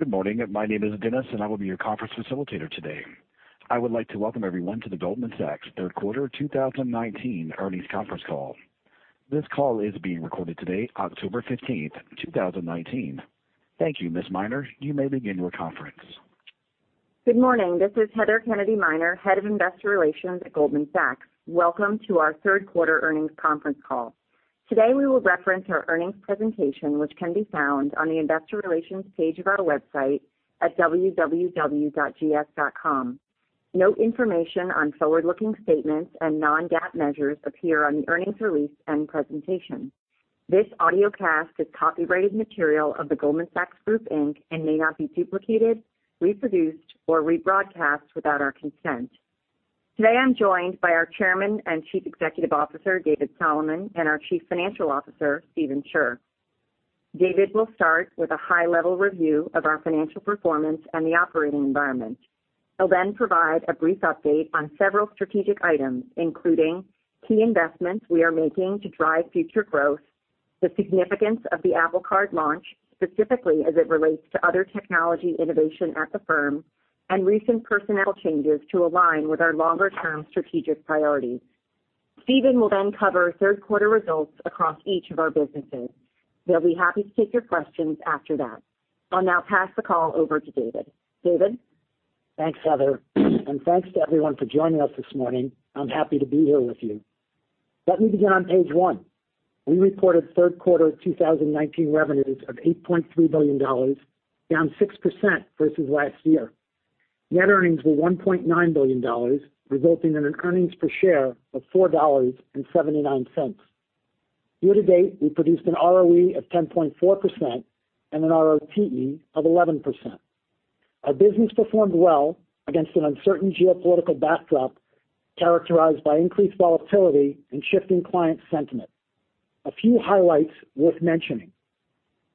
Good morning. My name is Dennis. I will be your conference facilitator today. I would like to welcome everyone to the Goldman Sachs third quarter 2019 earnings conference call. This call is being recorded today, October 15th, 2019. Thank you, Ms. Dennis. You may begin your conference. Good morning. This is Heather Kennedy Miner, Head of Investor Relations at Goldman Sachs. Welcome to our third quarter earnings conference call. Today, we will reference our earnings presentation, which can be found on the investor relations page of our website at www.gs.com. Note information on forward-looking statements and non-GAAP measures appear on the earnings release and presentation. This audiocast is copyrighted material of The Goldman Sachs Group Inc. and may not be duplicated, reproduced, or rebroadcast without our consent. Today, I'm joined by our Chairman and Chief Executive Officer, David Solomon, and our Chief Financial Officer, Stephen Scherr. David will start with a high-level review of our financial performance and the operating environment. He'll then provide a brief update on several strategic items, including key investments we are making to drive future growth, the significance of the Apple Card launch, specifically as it relates to other technology innovation at the firm, and recent personnel changes to align with our longer-term strategic priorities. Stephen will then cover third-quarter results across each of our businesses. They'll be happy to take your questions after that. I'll now pass the call over to David. David? Thanks, Heather, and thanks to everyone for joining us this morning. I'm happy to be here with you. Let me begin on page one. We reported third-quarter 2019 revenues of $8.3 billion, down 6% versus last year. Net earnings were $1.9 billion, resulting in an earnings per share of $4.79. Year-to-date, we produced an ROE of 10.4% and an ROTE of 11%. Our business performed well against an uncertain geopolitical backdrop characterized by increased volatility and shifting client sentiment. A few highlights worth mentioning.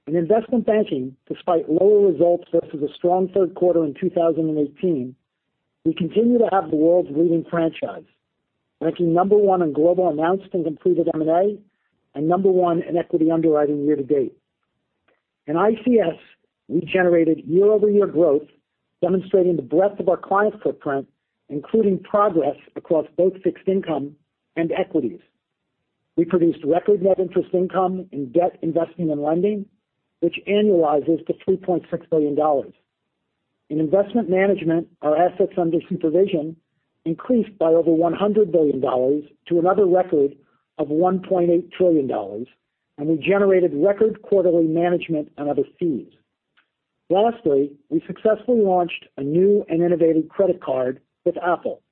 In investment banking, despite lower results versus a strong third quarter in 2018, we continue to have the world's leading franchise, ranking number one in global announced and completed M&A, and number one in equity underwriting year-to-date. In ICS, we generated year-over-year growth demonstrating the breadth of our client footprint, including progress across both fixed income and equities. We produced record net interest income in debt investment and lending, which annualizes to $3.6 billion. In investment management, our assets under supervision increased by over $100 billion to another record of $1.8 trillion, and we generated record quarterly management and other fees. Lastly, we successfully launched a new and innovative credit card with Apple.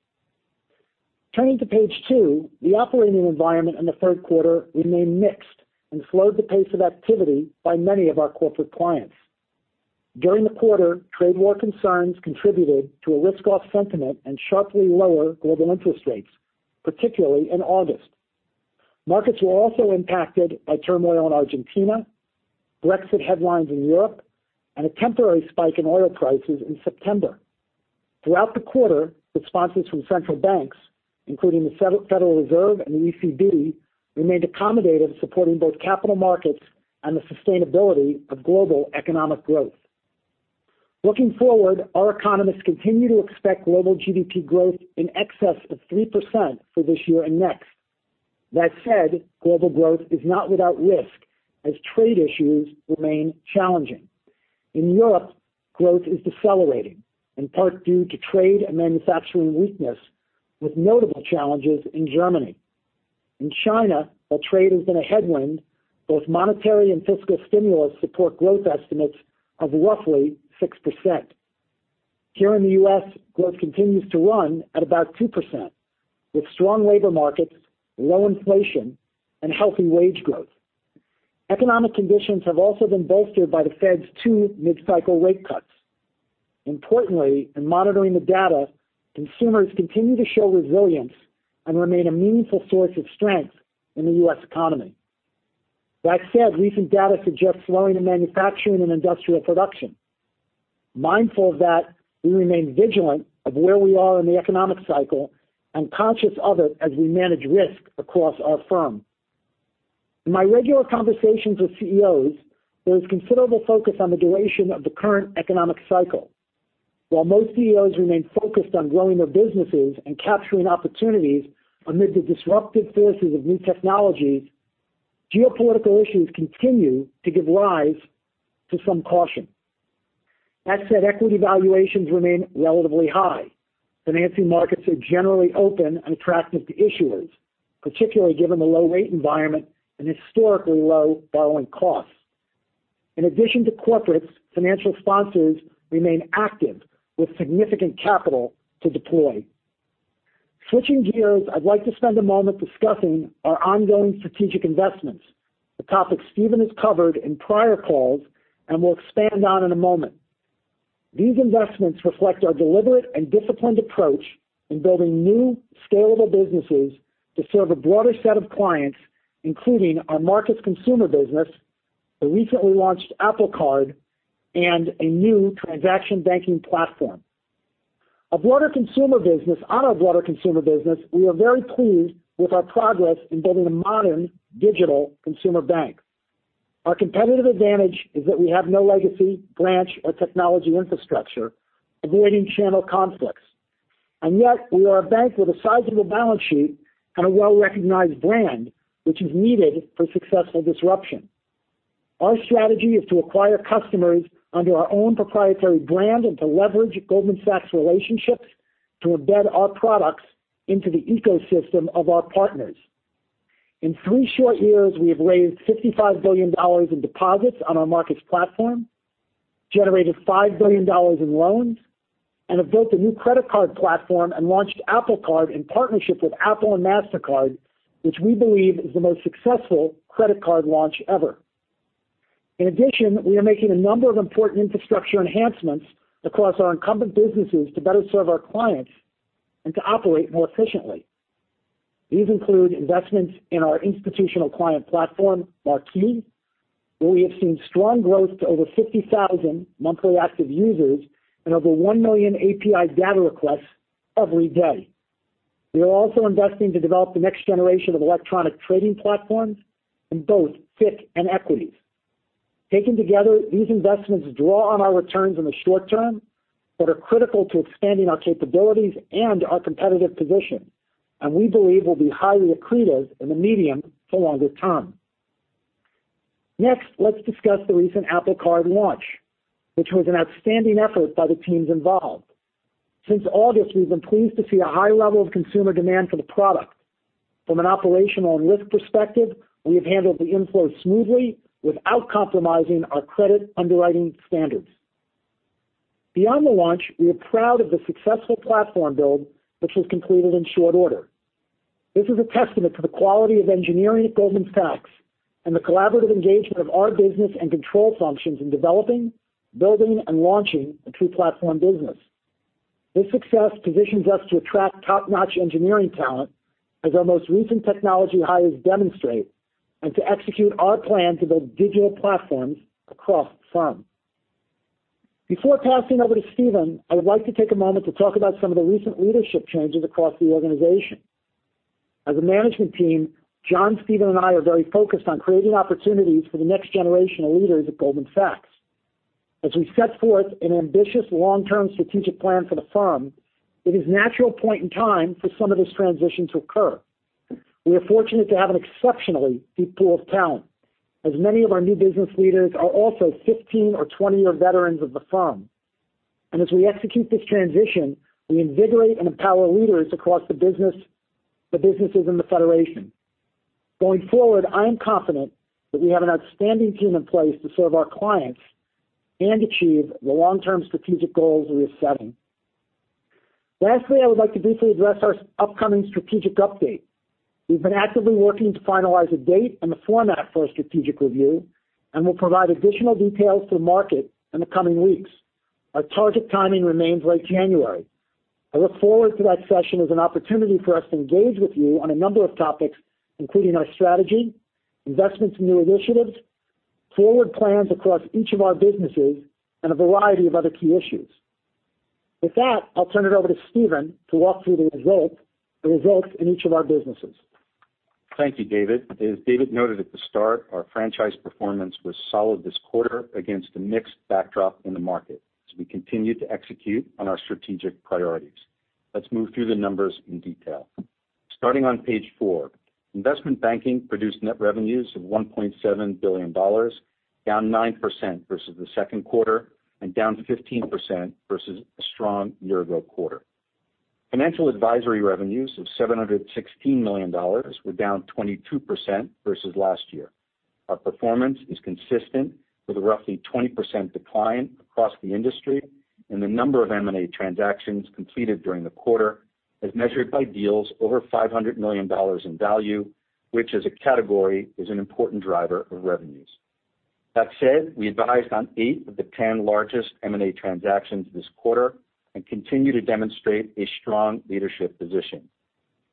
Turning to page two, the operating environment in the third quarter remained mixed and slowed the pace of activity by many of our corporate clients. During the quarter, trade war concerns contributed to a risk-off sentiment and sharply lower global interest rates, particularly in August. Markets were also impacted by turmoil in Argentina, Brexit headlines in Europe, and a temporary spike in oil prices in September. Throughout the quarter, responses from central banks, including the Federal Reserve and the ECB, remained accommodative, supporting both capital markets and the sustainability of global economic growth. Looking forward, our economists continue to expect global GDP growth in excess of 3% for this year and next. That said, global growth is not without risk as trade issues remain challenging. In Europe, growth is decelerating, in part due to trade and manufacturing weakness, with notable challenges in Germany. In China, while trade has been a headwind, both monetary and fiscal stimulus support growth estimates of roughly 6%. Here in the U.S., growth continues to run at about 2%, with strong labor markets, low inflation, and healthy wage growth. Economic conditions have also been bolstered by the Fed's two mid-cycle rate cuts. Importantly, in monitoring the data, consumers continue to show resilience and remain a meaningful source of strength in the U.S. economy. That said, recent data suggests slowing in manufacturing and industrial production. Mindful of that, we remain vigilant of where we are in the economic cycle and conscious of it as we manage risk across our firm. In my regular conversations with CEOs, there is considerable focus on the duration of the current economic cycle. While most CEOs remain focused on growing their businesses and capturing opportunities amid the disruptive forces of new technologies, geopolitical issues continue to give rise to some caution. That said, equity valuations remain relatively high. Financing markets are generally open and attractive to issuers, particularly given the low-rate environment and historically low borrowing costs. In addition to corporates, financial sponsors remain active with significant capital to deploy. Switching gears, I'd like to spend a moment discussing our ongoing strategic investments, a topic Stephen has covered in prior calls and will expand on in a moment. These investments reflect our deliberate and disciplined approach in building new scalable businesses to serve a broader set of clients, including our Marcus consumer business, the recently launched Apple Card, and a new transaction banking platform. Our broader consumer business, we are very pleased with our progress in building a modern digital consumer bank. Our competitive advantage is that we have no legacy branch or technology infrastructure, avoiding channel conflicts. We are a bank with a sizable balance sheet and a well-recognized brand, which is needed for successful disruption. Our strategy is to acquire customers under our own proprietary brand and to leverage Goldman Sachs' relationships to embed our products into the ecosystem of our partners. In three short years, we have raised $55 billion in deposits on our Marcus platform, generated $5 billion in loans, and have built a new credit card platform and launched Apple Card in partnership with Apple and Mastercard, which we believe is the most successful credit card launch ever. In addition, we are making a number of important infrastructure enhancements across our incumbent businesses to better serve our clients and to operate more efficiently. These include investments in our institutional client platform, Marquee, where we have seen strong growth to over 50,000 monthly active users and over 1 million API data requests every day. We are also investing to develop the next generation of electronic trading platforms in both FICC and equities. Taken together, these investments draw on our returns in the short term but are critical to expanding our capabilities and our competitive position, and we believe will be highly accretive in the medium to longer term. Next, let's discuss the recent Apple Card launch, which was an outstanding effort by the teams involved. Since August, we've been pleased to see a high level of consumer demand for the product. From an operational and risk perspective, we have handled the inflow smoothly without compromising our credit underwriting standards. Beyond the launch, we are proud of the successful platform build, which was completed in short order. This is a testament to the quality of engineering at Goldman Sachs and the collaborative engagement of our business and control functions in developing, building, and launching a true platform business. This success positions us to attract top-notch engineering talent as our most recent technology hires demonstrate, and to execute our plan to build digital platforms across the firm. Before passing over to Stephen, I would like to take a moment to talk about some of the recent leadership changes across the organization. As a management team, John, Stephen, and I are very focused on creating opportunities for the next generation of leaders at Goldman Sachs. As we set forth an ambitious long-term strategic plan for the firm, it is natural point in time for some of this transition to occur. We are fortunate to have an exceptionally deep pool of talent, as many of our new business leaders are also 15 or 20-year veterans of the firm. As we execute this transition, we invigorate and empower leaders across the businesses in the federation. Going forward, I am confident that we have an outstanding team in place to serve our clients and achieve the long-term strategic goals we are setting. Lastly, I would like to briefly address our upcoming strategic update. We've been actively working to finalize a date and the format for our strategic review, and we'll provide additional details to market in the coming weeks. Our target timing remains late January. I look forward to that session as an opportunity for us to engage with you on a number of topics, including our strategy, investments in new initiatives, forward plans across each of our businesses, and a variety of other key issues. With that, I'll turn it over to Stephen to walk through the results in each of our businesses. Thank you, David. As David noted at the start, our franchise performance was solid this quarter against a mixed backdrop in the market as we continue to execute on our strategic priorities. Let's move through the numbers in detail. Starting on page four, investment banking produced net revenues of $1.7 billion, down 9% versus the second quarter and down 15% versus a strong year-ago quarter. Financial advisory revenues of $716 million were down 22% versus last year. Our performance is consistent with a roughly 20% decline across the industry, and the number of M&A transactions completed during the quarter as measured by deals over $500 million in value, which as a category is an important driver of revenues. That said, we advised on eight of the 10 largest M&A transactions this quarter and continue to demonstrate a strong leadership position.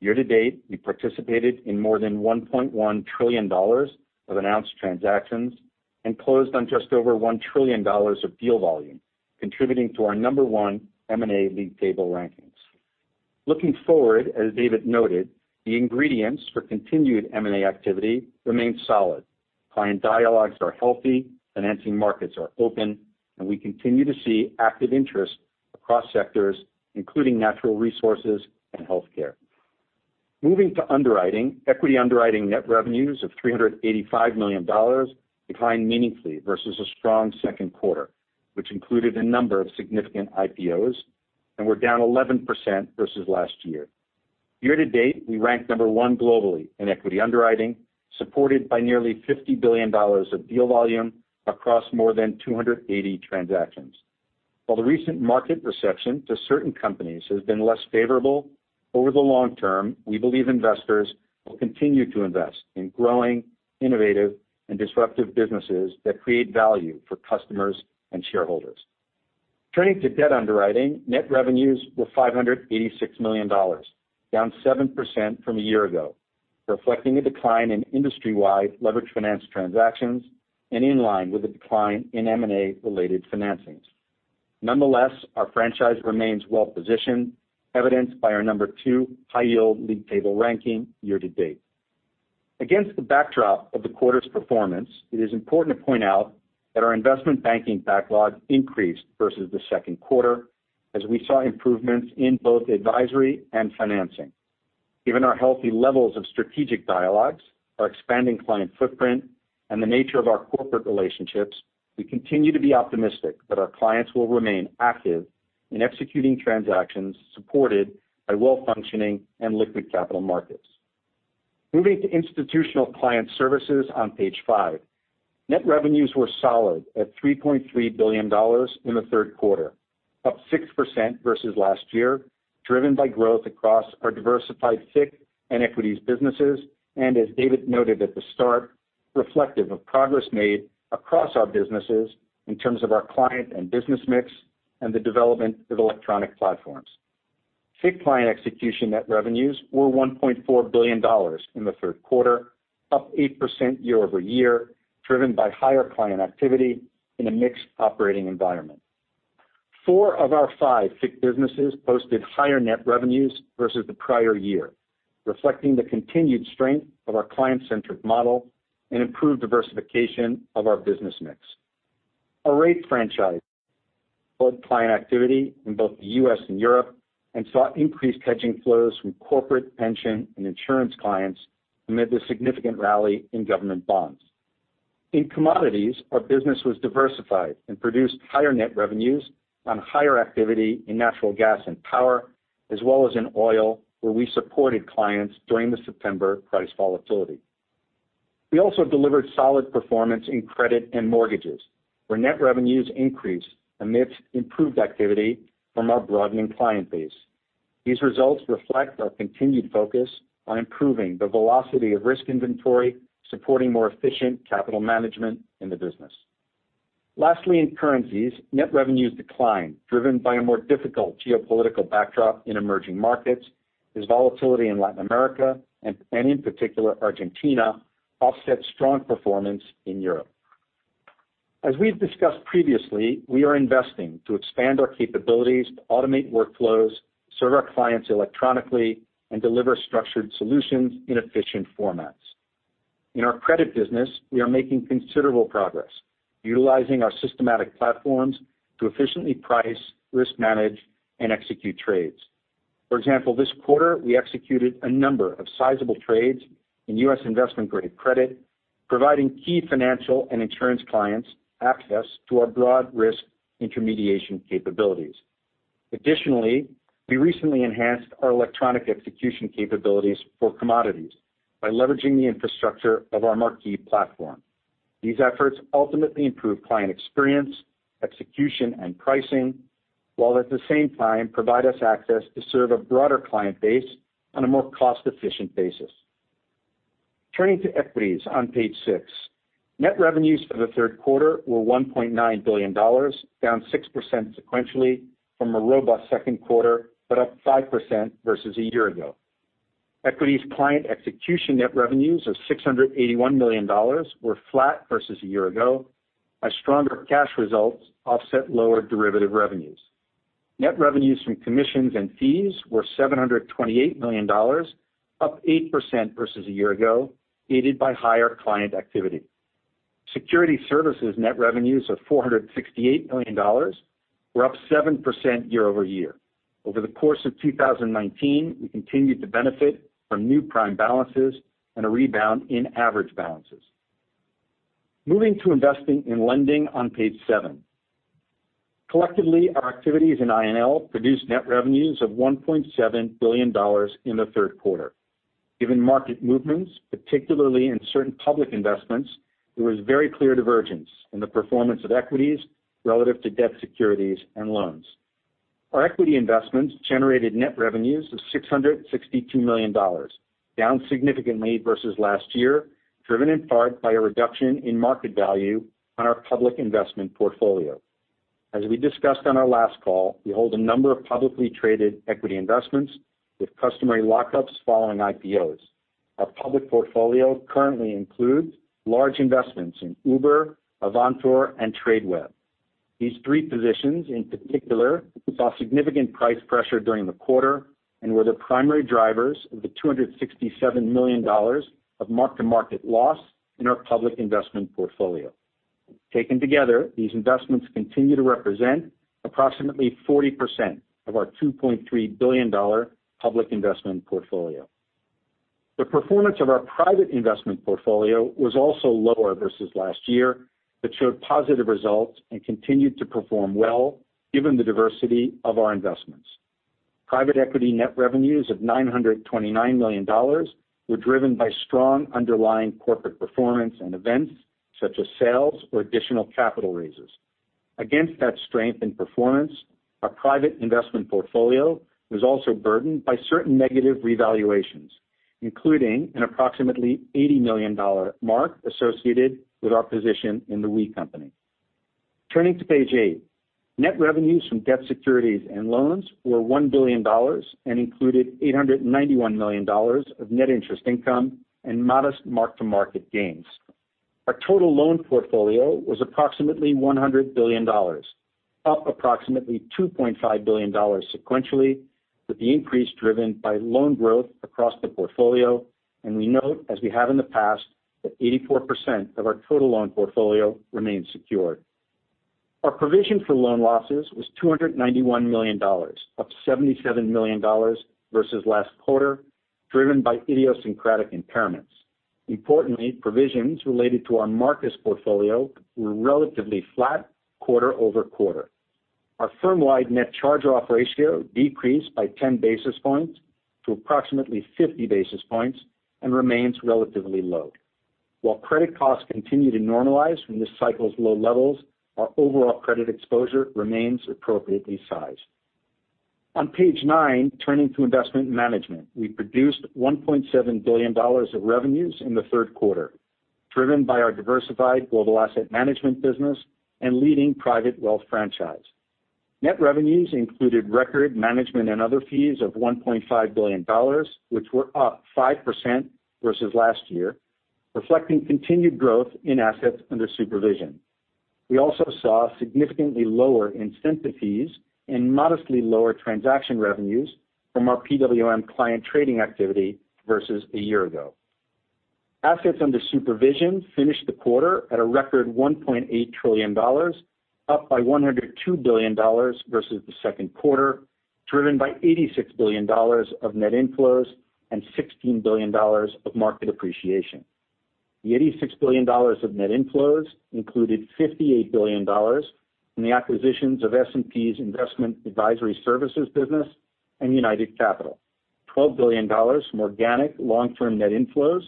Year to date, we participated in more than $1.1 trillion of announced transactions and closed on just over $1 trillion of deal volume, contributing to our number one M&A league table rankings. Looking forward, as David noted, the ingredients for continued M&A activity remain solid. We continue to see active interest across sectors, including natural resources and healthcare. Moving to underwriting, equity underwriting net revenues of $385 million declined meaningfully versus a strong second quarter, which included a number of significant IPOs and were down 11% versus last year. Year to date, we rank number one globally in equity underwriting, supported by nearly $50 billion of deal volume across more than 280 transactions. While the recent market reception to certain companies has been less favorable, over the long term, we believe investors will continue to invest in growing, innovative, and disruptive businesses that create value for customers and shareholders. Turning to debt underwriting, net revenues were $586 million, down 7% from a year ago. Reflecting a decline in industry-wide leverage finance transactions and in line with the decline in M&A-related financings. Nonetheless, our franchise remains well-positioned, evidenced by our number 2 high-yield lead table ranking year to date. Against the backdrop of the quarter's performance, it is important to point out that our investment banking backlog increased versus the second quarter, as we saw improvements in both advisory and financing. Given our healthy levels of strategic dialogues, our expanding client footprint, and the nature of our corporate relationships, we continue to be optimistic that our clients will remain active in executing transactions supported by well-functioning and liquid capital markets. Moving to Institutional Client Services on page five. Net revenues were solid at $3.3 billion in the third quarter, up 6% versus last year, driven by growth across our diversified FICC and equities businesses, and as David noted at the start, reflective of progress made across our businesses in terms of our client and business mix and the development of electronic platforms. FICC client execution net revenues were $1.4 billion in the third quarter, up 8% year-over-year, driven by higher client activity in a mixed operating environment. Four of our five FICC businesses posted higher net revenues versus the prior year, reflecting the continued strength of our client-centric model and improved diversification of our business mix. Our rate franchise showed client activity in both the U.S. and Europe and saw increased hedging flows from corporate, pension, and insurance clients amid the significant rally in government bonds. In commodities, our business was diversified and produced higher net revenues on higher activity in natural gas and power, as well as in oil, where we supported clients during the September price volatility. We also delivered solid performance in credit and mortgages, where net revenues increased amidst improved activity from our broadening client base. These results reflect our continued focus on improving the velocity of risk inventory, supporting more efficient capital management in the business. Lastly, in currencies, net revenues declined, driven by a more difficult geopolitical backdrop in emerging markets, as volatility in Latin America and in particular Argentina offset strong performance in Europe. As we've discussed previously, we are investing to expand our capabilities to automate workflows, serve our clients electronically, and deliver structured solutions in efficient formats. In our credit business, we are making considerable progress utilizing our systematic platforms to efficiently price, risk manage, and execute trades. For example, this quarter, we executed a number of sizable trades in U.S. investment-grade credit, providing key financial and insurance clients access to our broad risk intermediation capabilities. Additionally, we recently enhanced our electronic execution capabilities for commodities by leveraging the infrastructure of our Marquee platform. These efforts ultimately improve client experience, execution, and pricing, while at the same time provide us access to serve a broader client base on a more cost-efficient basis. Turning to equities on page six. Net revenues for the third quarter were $1.9 billion, down 6% sequentially from a robust second quarter, but up 5% versus a year ago. Equities client execution net revenues of $681 million were flat versus a year ago, as stronger cash results offset lower derivative revenues. Net revenues from commissions and fees were $728 million, up 8% versus a year ago, aided by higher client activity. Security services net revenues of $468 million were up 7% year-over-year. Over the course of 2019, we continued to benefit from new prime balances and a rebound in average balances. Moving to Investing & Lending on page seven. Collectively, our activities in I&L produced net revenues of $1.7 billion in the third quarter. Given market movements, particularly in certain public investments, there was very clear divergence in the performance of equities relative to debt securities and loans. Our equity investments generated net revenues of $662 million, down significantly versus last year, driven in part by a reduction in market value on our public investment portfolio. As we discussed on our last call, we hold a number of publicly traded equity investments with customary lockups following IPOs. Our public portfolio currently includes large investments in Uber, Avantor, and Tradeweb. These three positions, in particular, saw significant price pressure during the quarter and were the primary drivers of the $267 million of mark-to-market loss in our public investment portfolio. Taken together, these investments continue to represent approximately 40% of our $2.3 billion public investment portfolio. The performance of our private investment portfolio was also lower versus last year, but showed positive results and continued to perform well given the diversity of our investments. Private equity net revenues of $929 million were driven by strong underlying corporate performance and events, such as sales or additional capital raises. Against that strength and performance, our private investment portfolio was also burdened by certain negative revaluations, including an approximately $80 million mark associated with our position in The We Company. Turning to page eight. Net revenues from debt securities and loans were $1 billion and included $891 million of net interest income and modest mark-to-market gains. Our total loan portfolio was approximately $100 billion, up approximately $2.5 billion sequentially, with the increase driven by loan growth across the portfolio, and we note, as we have in the past, that 84% of our total loan portfolio remains secured. Our provision for loan losses was $291 million, up $77 million versus last quarter, driven by idiosyncratic impairments. Importantly, provisions related to our Marcus portfolio were relatively flat quarter-over-quarter. Our firm-wide net charge-off ratio decreased by 10 basis points to approximately 50 basis points and remains relatively low. While credit costs continue to normalize from this cycle's low levels, our overall credit exposure remains appropriately sized. On page nine, turning to investment management. We produced $1.7 billion of revenues in the third quarter, driven by our diversified global asset management business and leading private wealth franchise. Net revenues included record management and other fees of $1.5 billion, which were up 5% versus last year, reflecting continued growth in assets under supervision. We also saw significantly lower incentive fees and modestly lower transaction revenues from our PWM client trading activity versus a year ago. Assets under supervision finished the quarter at a record $1.8 trillion, up by $102 billion versus the second quarter, driven by $86 billion of net inflows and $16 billion of market appreciation. The $86 billion of net inflows included $58 billion in the acquisitions of S&P's Investment Advisory Services business and United Capital, $12 billion from organic long-term net inflows,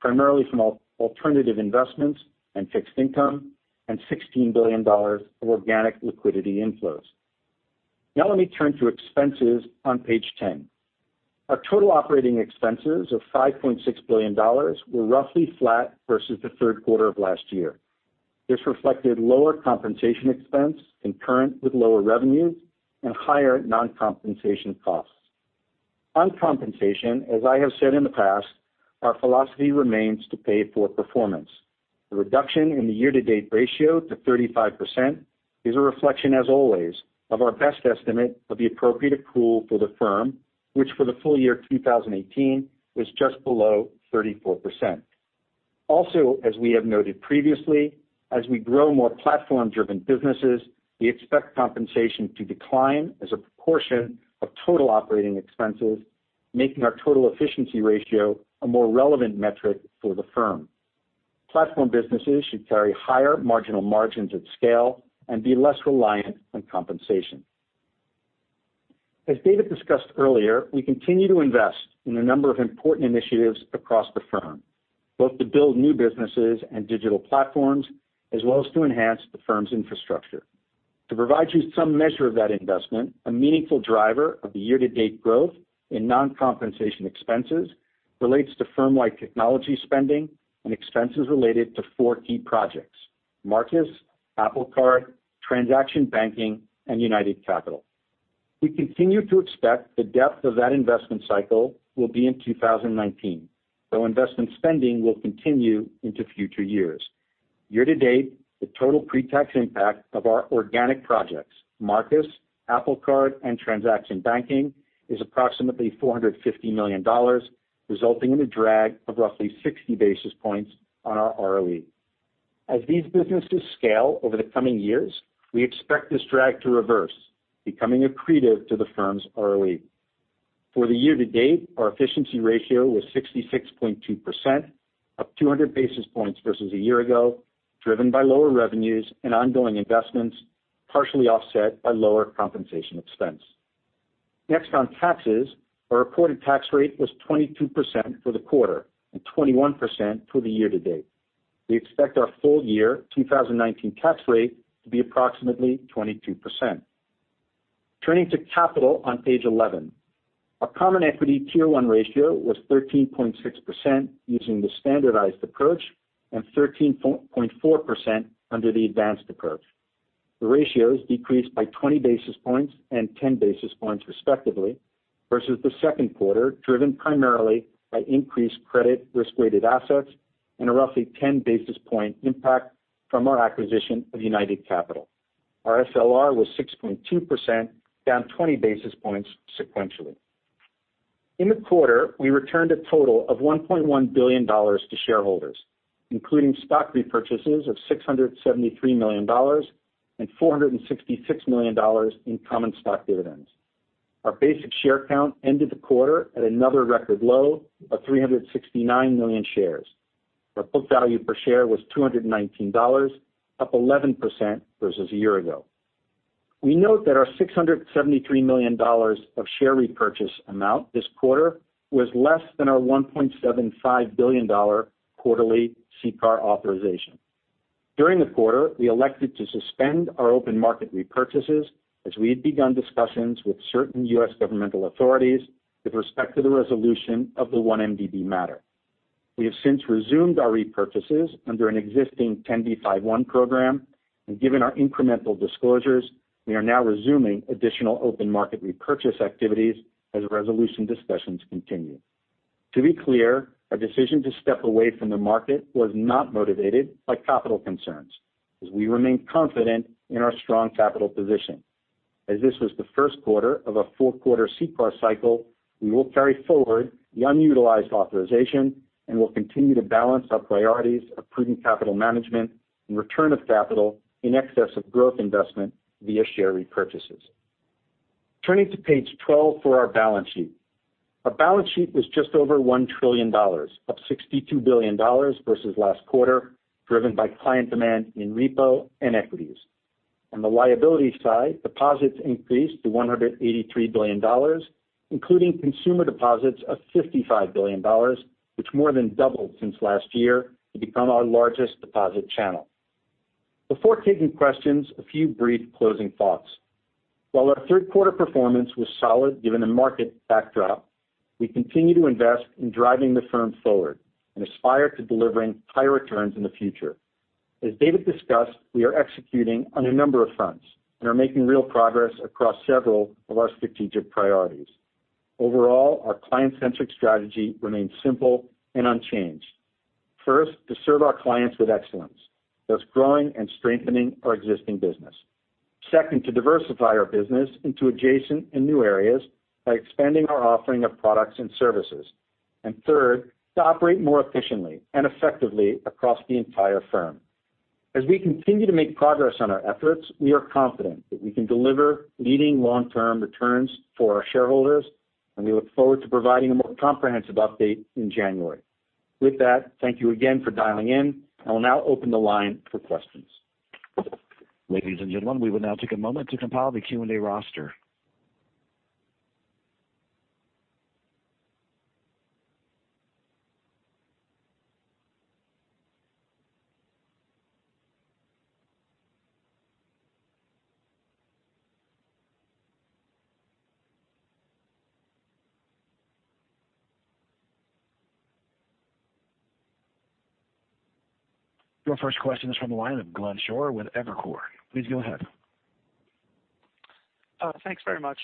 primarily from alternative investments and fixed income, and $16 billion of organic liquidity inflows. Now let me turn to expenses on page 10. Our total operating expenses of $5.6 billion were roughly flat versus the third quarter of last year. This reflected lower compensation expense concurrent with lower revenues and higher non-compensation costs. On compensation, as I have said in the past, our philosophy remains to pay for performance. The reduction in the year-to-date ratio to 35% is a reflection, as always, of our best estimate of the appropriate pool for the firm, which for the full year 2018 was just below 34%. Also, as we have noted previously, as we grow more platform-driven businesses, we expect compensation to decline as a proportion of total operating expenses, making our total efficiency ratio a more relevant metric for the firm. Platform businesses should carry higher marginal margins at scale and be less reliant on compensation. As David discussed earlier, we continue to invest in a number of important initiatives across the firm, both to build new businesses and digital platforms, as well as to enhance the firm's infrastructure. To provide you some measure of that investment, a meaningful driver of the year-to-date growth in non-compensation expenses relates to firm-wide technology spending and expenses related to four key projects, Marcus, Apple Card, Transaction Banking, and United Capital. We continue to expect the depth of that investment cycle will be in 2019, though investment spending will continue into future years. Year to date, the total pre-tax impact of our organic projects, Marcus, Apple Card, and Transaction Banking, is approximately $450 million, resulting in a drag of roughly 60 basis points on our ROE. As these businesses scale over the coming years, we expect this drag to reverse, becoming accretive to the firm's ROE. For the year to date, our efficiency ratio was 66.2%, up 200 basis points versus a year ago, driven by lower revenues and ongoing investments, partially offset by lower compensation expense. Next, on taxes. Our reported tax rate was 22% for the quarter and 21% for the year to date. We expect our full year 2019 tax rate to be approximately 22%. Turning to capital on page 11. Our common equity Tier 1 ratio was 13.6% using the standardized approach and 13.4% under the advanced approach. The ratios decreased by 20 basis points and 10 basis points, respectively, versus the second quarter, driven primarily by increased credit risk-weighted assets and a roughly 10-basis point impact from our acquisition of United Capital. Our SLR was 6.2%, down 20 basis points sequentially. In the quarter, we returned a total of $1.1 billion to shareholders, including stock repurchases of $673 million and $466 million in common stock dividends. Our basic share count ended the quarter at another record low of 369 million shares. Our book value per share was $219, up 11% versus a year ago. We note that our $673 million of share repurchase amount this quarter was less than our $1.75 billion quarterly CCAR authorization. During the quarter, we elected to suspend our open market repurchases as we had begun discussions with certain U.S. governmental authorities with respect to the resolution of the 1MDB matter. We have since resumed our repurchases under an existing 10b5-1 program, and given our incremental disclosures, we are now resuming additional open market repurchase activities as resolution discussions continue. To be clear, our decision to step away from the market was not motivated by capital concerns, as we remain confident in our strong capital position. As this was the first quarter of a four-quarter CECL cycle, we will carry forward the unutilized authorization and will continue to balance our priorities of prudent capital management and return of capital in excess of growth investment via share repurchases. Turning to page 12 for our balance sheet. Our balance sheet was just over $1 trillion, up $62 billion versus last quarter, driven by client demand in repo and equities. On the liability side, deposits increased to $183 billion, including consumer deposits of $55 billion, which more than doubled since last year to become our largest deposit channel. Before taking questions, a few brief closing thoughts. While our third quarter performance was solid given the market backdrop, we continue to invest in driving the firm forward and aspire to delivering higher returns in the future. As David discussed, we are executing on a number of fronts and are making real progress across several of our strategic priorities. Overall, our client-centric strategy remains simple and unchanged. First, to serve our clients with excellence, thus growing and strengthening our existing business. Second, to diversify our business into adjacent and new areas by expanding our offering of products and services. Third, to operate more efficiently and effectively across the entire firm. As we continue to make progress on our efforts, we are confident that we can deliver leading long-term returns for our shareholders. We look forward to providing a more comprehensive update in January. With that, thank you again for dialing in. I will now open the line for questions. Ladies and gentlemen, we will now take a moment to compile the Q&A roster. Your first question is from the line of Glenn Schorr with Evercore. Please go ahead. Thanks very much.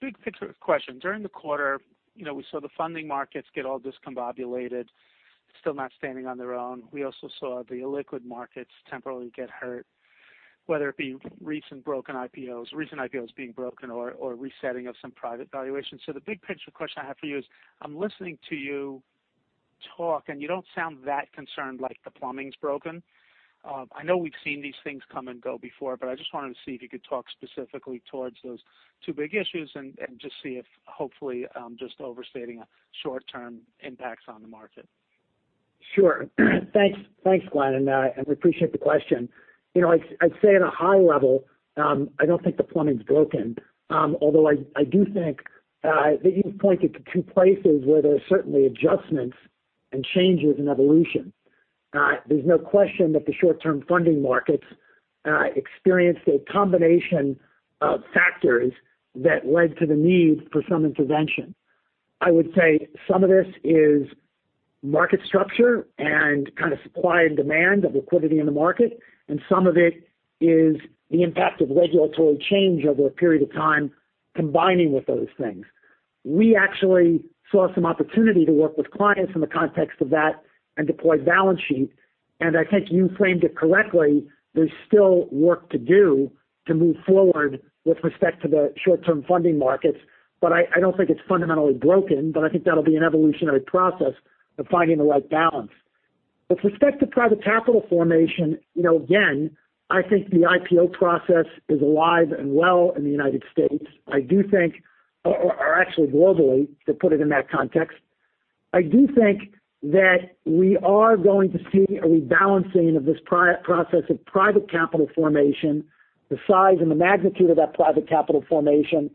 Big picture question. During the quarter, we saw the funding markets get all discombobulated, still not standing on their own. We also saw the illiquid markets temporarily get hurt, whether it be recent broken IPOs, recent IPOs being broken or resetting of some private valuations. The big picture question I have for you is, I'm listening to you talk, and you don't sound that concerned like the plumbing's broken. I know we've seen these things come and go before, but I just wanted to see if you could talk specifically towards those two big issues and just see if hopefully I'm just overstating short-term impacts on the market. Sure. Thanks, Glenn. I appreciate the question. I'd say at a high level, I don't think the plumbing's broken. I do think that you've pointed to two places where there are certainly adjustments and changes in evolution. There's no question that the short-term funding markets experienced a combination of factors that led to the need for some intervention. I would say some of this is market structure and kind of supply and demand of liquidity in the market, and some of it is the impact of regulatory change over a period of time combining with those things. We actually saw some opportunity to work with clients in the context of that and deploy balance sheet. I think you framed it correctly. There's still work to do to move forward with respect to the short-term funding markets, but I don't think it's fundamentally broken, but I think that'll be an evolutionary process of finding the right balance. With respect to private capital formation, again, I think the IPO process is alive and well in the United States. Actually globally, to put it in that context. I do think that we are going to see a rebalancing of this process of private capital formation, the size and the magnitude of that private capital formation,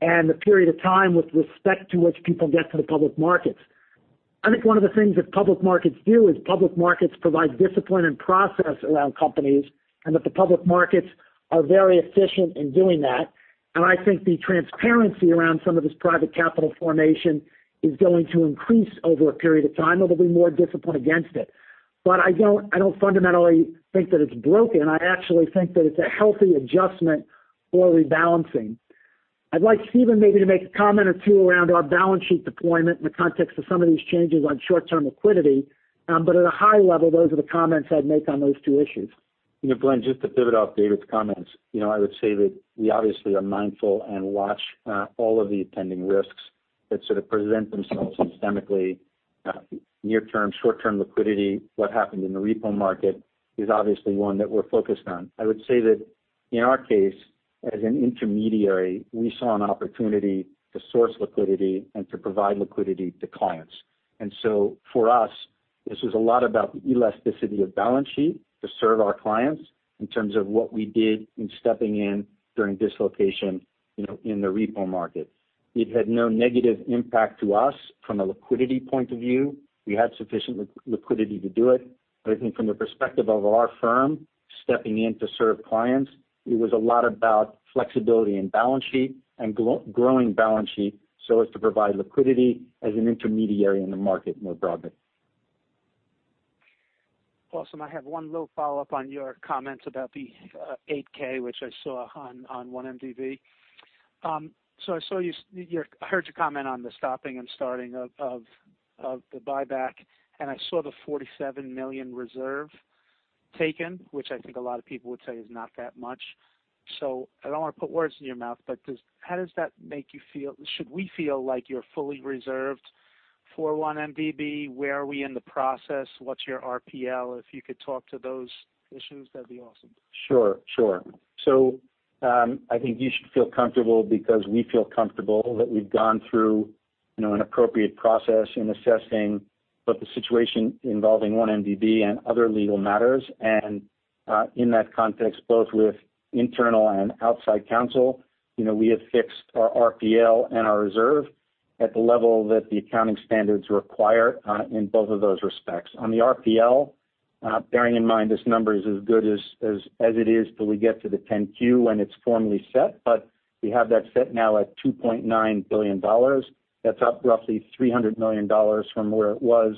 and the period of time with respect to which people get to the public markets. I think one of the things that public markets do is public markets provide discipline and process around companies, and that the public markets are very efficient in doing that. I think the transparency around some of this private capital formation is going to increase over a period of time. There will be more discipline against it. I don't fundamentally think that it's broken. I actually think that it's a healthy adjustment or rebalancing. I'd like Stephen maybe to make a comment or two around our balance sheet deployment in the context of some of these changes on short-term liquidity. At a high level, those are the comments I'd make on those two issues. Glenn, just to pivot off David's comments. I would say that we obviously are mindful and watch all of the attending risks that sort of present themselves systemically. Near term, short-term liquidity, what happened in the repo market is obviously one that we're focused on. I would say that in our case, as an intermediary, we saw an opportunity to source liquidity and to provide liquidity to clients. For us, this was a lot about the elasticity of balance sheet to serve our clients in terms of what we did in stepping in during dislocation in the repo market. It had no negative impact to us from a liquidity point of view. We had sufficient liquidity to do it. I think from the perspective of our firm, stepping in to serve clients. It was a lot about flexibility and balance sheet and growing balance sheet so as to provide liquidity as an intermediary in the market more broadly. Awesome. I have one little follow-up on your comments about the 8-K, which I saw on 1MDB. I heard your comment on the stopping and starting of the buyback, and I saw the $47 million reserve taken, which I think a lot of people would say is not that much. I don't want to put words in your mouth, how does that make you feel? Should we feel like you're fully reserved for 1MDB? Where are we in the process? What's your RPL? If you could talk to those issues, that'd be awesome. I think you should feel comfortable because we feel comfortable that we've gone through an appropriate process in assessing both the situation involving 1MDB and other legal matters. In that context, both with internal and outside counsel, we have fixed our RPL and our reserve at the level that the accounting standards require in both of those respects. On the RPL, bearing in mind this number is as good as it is till we get to the 10-Q when it's formally set, but we have that set now at $2.9 billion. That's up roughly $300 million from where it was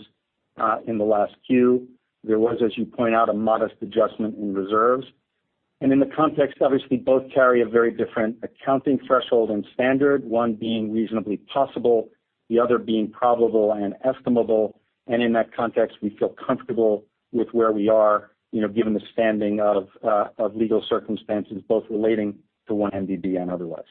in the last Q. There was, as you point out, a modest adjustment in reserves. In the context, obviously, both carry a very different accounting threshold and standard, one being reasonably possible, the other being probable and estimable. In that context, we feel comfortable with where we are, given the standing of legal circumstances both relating to 1MDB and otherwise.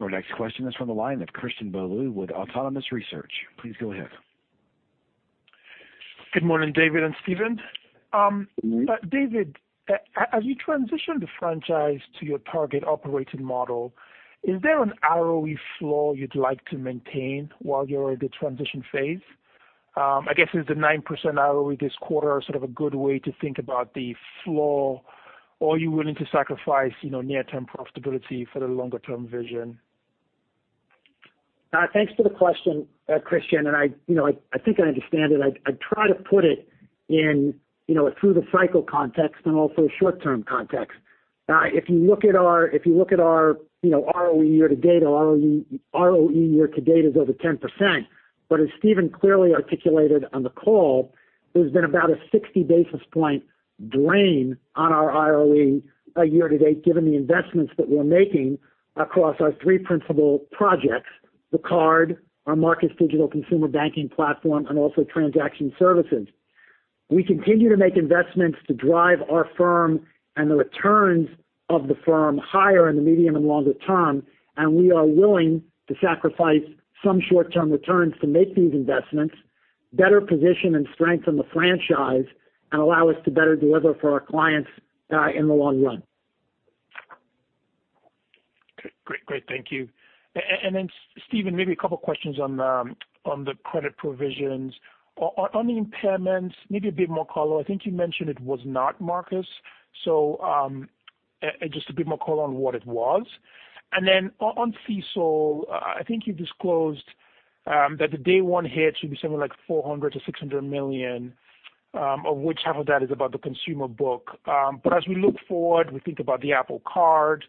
Our next question is from the line of Christian Bolu with Autonomous Research. Please go ahead. Good morning, David and Stephen. David, as you transition the franchise to your target operating model, is there an ROE floor you'd like to maintain while you're at the transition phase? I guess, is the 9% ROE this quarter sort of a good way to think about the floor? Are you willing to sacrifice near-term profitability for the longer-term vision? Thanks for the question, Christian, and I think I understand it. I try to put it in a through the cycle context and also a short-term context. If you look at our ROE year to date, our ROE year to date is over 10%. As Stephen clearly articulated on the call, there's been about a 60 basis point drain on our ROE year to date, given the investments that we're making across our three principal projects, the card, our Marcus digital consumer banking platform, and also transaction services. We continue to make investments to drive our firm and the returns of the firm higher in the medium and longer term, and we are willing to sacrifice some short-term returns to make these investments, better position and strengthen the franchise, and allow us to better deliver for our clients in the long run. Okay. Great. Thank you. Stephen, maybe a couple of questions on the credit provisions. On the impairments, maybe a bit more color. I think you mentioned it was not Marcus. Just a bit more color on what it was. On CECL, I think you disclosed that the day one hit should be something like $400 million-$600 million, of which half of that is about the consumer book. As we look forward, we think about the Apple Card,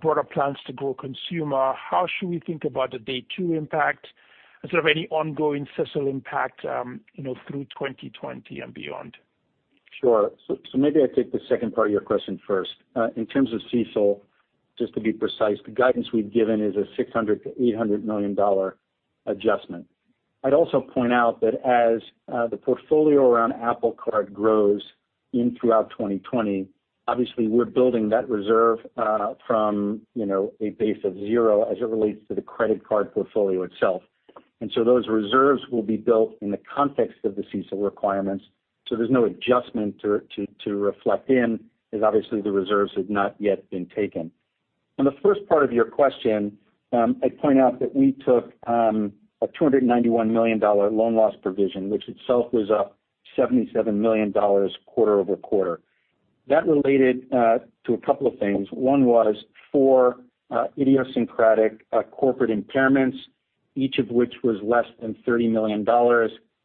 broader plans to grow consumer, how should we think about the day two impact and sort of any ongoing CECL impact through 2020 and beyond? Sure. Maybe I take the second part of your question first. In terms of CECL, just to be precise, the guidance we've given is a $600 million-$800 million adjustment. I'd also point out that as the portfolio around Apple Card grows in throughout 2020, obviously we're building that reserve from a base of zero as it relates to the credit card portfolio itself. Those reserves will be built in the context of the CECL requirements, so there's no adjustment to reflect in, as obviously the reserves have not yet been taken. On the first part of your question, I'd point out that we took a $291 million loan loss provision, which itself was up $77 million quarter-over-quarter. That related to a couple of things. One was four idiosyncratic corporate impairments, each of which was less than $30 million,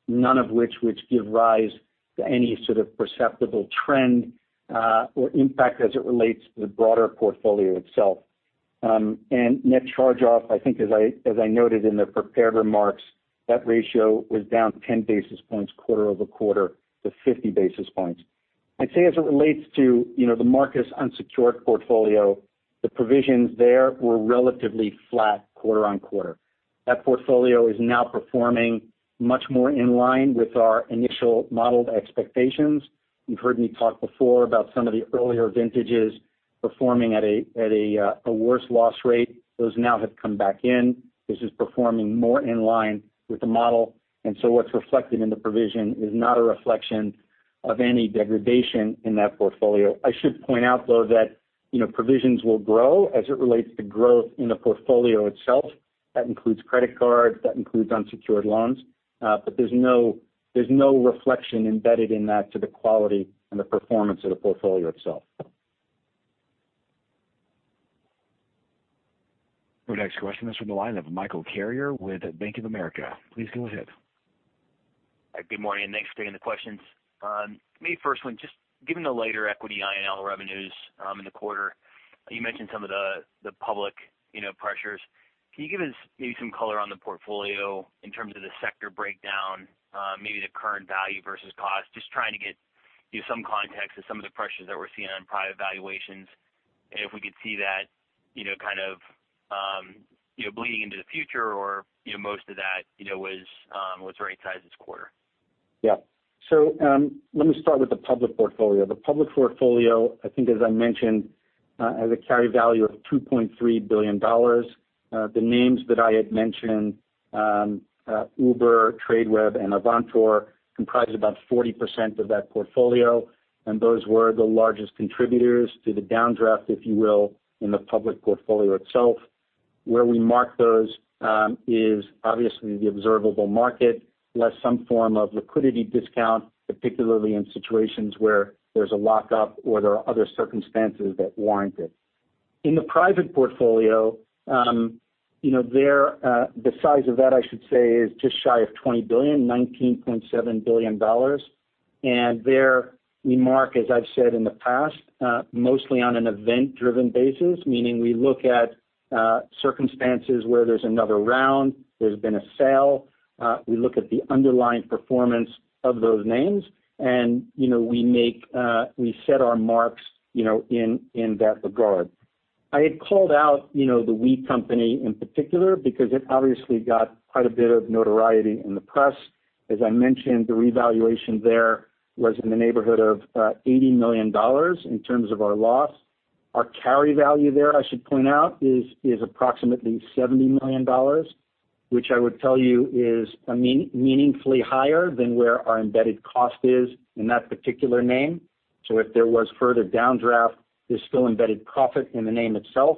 none of which would give rise to any sort of perceptible trend or impact as it relates to the broader portfolio itself. Net charge-off, I think as I noted in the prepared remarks, that ratio was down 10 basis points quarter-over-quarter to 50 basis points. I'd say as it relates to the Marcus unsecured portfolio, the provisions there were relatively flat quarter-on-quarter. That portfolio is now performing much more in line with our initial modeled expectations. You've heard me talk before about some of the earlier vintages performing at a worse loss rate. Those now have come back in. This is performing more in line with the model. What's reflected in the provision is not a reflection of any degradation in that portfolio. I should point out, though, that provisions will grow as it relates to growth in the portfolio itself. That includes credit cards, that includes unsecured loans. There's no reflection embedded in that to the quality and the performance of the portfolio itself. Our next question is from the line of Michael Carrier with Bank of America. Please go ahead. Good morning. Thanks for taking the questions. Maybe first one, just given the lighter equity I&L revenues in the quarter, you mentioned some of the public pressures. Can you give us maybe some color on the portfolio in terms of the sector breakdown, maybe the current value versus cost? Just trying to get some context to some of the pressures that we're seeing on private valuations, and if we could see that kind of bleeding into the future, or most of that was very sized this quarter. Yeah. Let me start with the public portfolio. The public portfolio, I think as I mentioned, has a carry value of $2.3 billion. The names that I had mentioned, Uber, Tradeweb, and Avantor comprise about 40% of that portfolio, and those were the largest contributors to the downdraft, if you will, in the public portfolio itself. Where we mark those is obviously the observable market, less some form of liquidity discount, particularly in situations where there's a lockup or there are other circumstances that warrant it. In the private portfolio, the size of that, I should say, is just shy of $20 billion, $19.7 billion. There we mark, as I've said in the past, mostly on an event-driven basis, meaning we look at circumstances where there's another round, there's been a sale. We look at the underlying performance of those names, and we set our marks in that regard. I had called out The We Company in particular because it obviously got quite a bit of notoriety in the press. As I mentioned, the revaluation there was in the neighborhood of $80 million in terms of our loss. Our carry value there, I should point out, is approximately $70 million, which I would tell you is meaningfully higher than where our embedded cost is in that particular name. If there was further downdraft, there's still embedded profit in the name itself.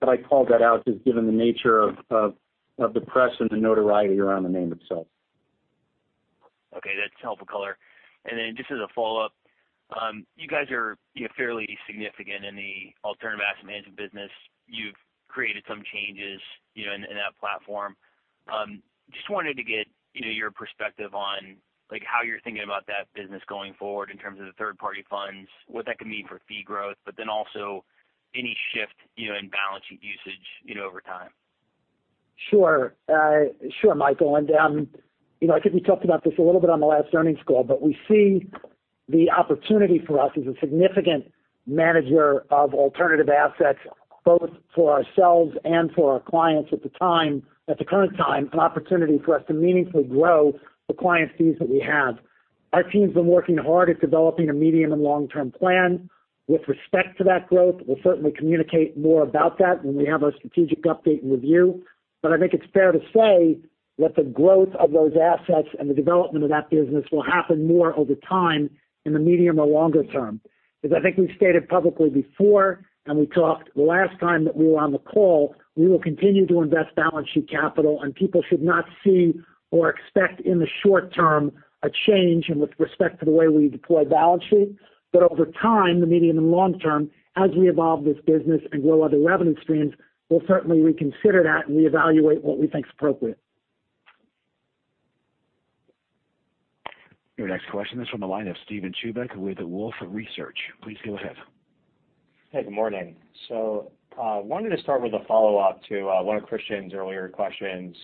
I called that out just given the nature of the press and the notoriety around the name itself. Okay, that's helpful color. Just as a follow-up, you guys are fairly significant in the alternative asset management business. You've created some changes in that platform. Just wanted to get your perspective on how you're thinking about that business going forward in terms of the third-party funds, what that could mean for fee growth, but then also any shift in balance sheet usage over time. Sure. Sure, Michael, I think we talked about this a little bit on the last earnings call. We see the opportunity for us as a significant manager of alternative assets, both for ourselves and for our clients at the current time, an opportunity for us to meaningfully grow the client fees that we have. Our team's been working hard at developing a medium and long-term plan with respect to that growth. We'll certainly communicate more about that when we have our strategic update and review. I think it's fair to say that the growth of those assets and the development of that business will happen more over time in the medium or longer term. I think we've stated publicly before, and we talked the last time that we were on the call, we will continue to invest balance sheet capital, and people should not see or expect in the short term a change and with respect to the way we deploy balance sheet. Over time, the medium and long term, as we evolve this business and grow other revenue streams, we'll certainly reconsider that and reevaluate what we think is appropriate. Your next question is from the line of Steven Chubak with Wolfe Research. Please go ahead. Hey, good morning. Wanted to start with a follow-up to one of Christian's earlier questions.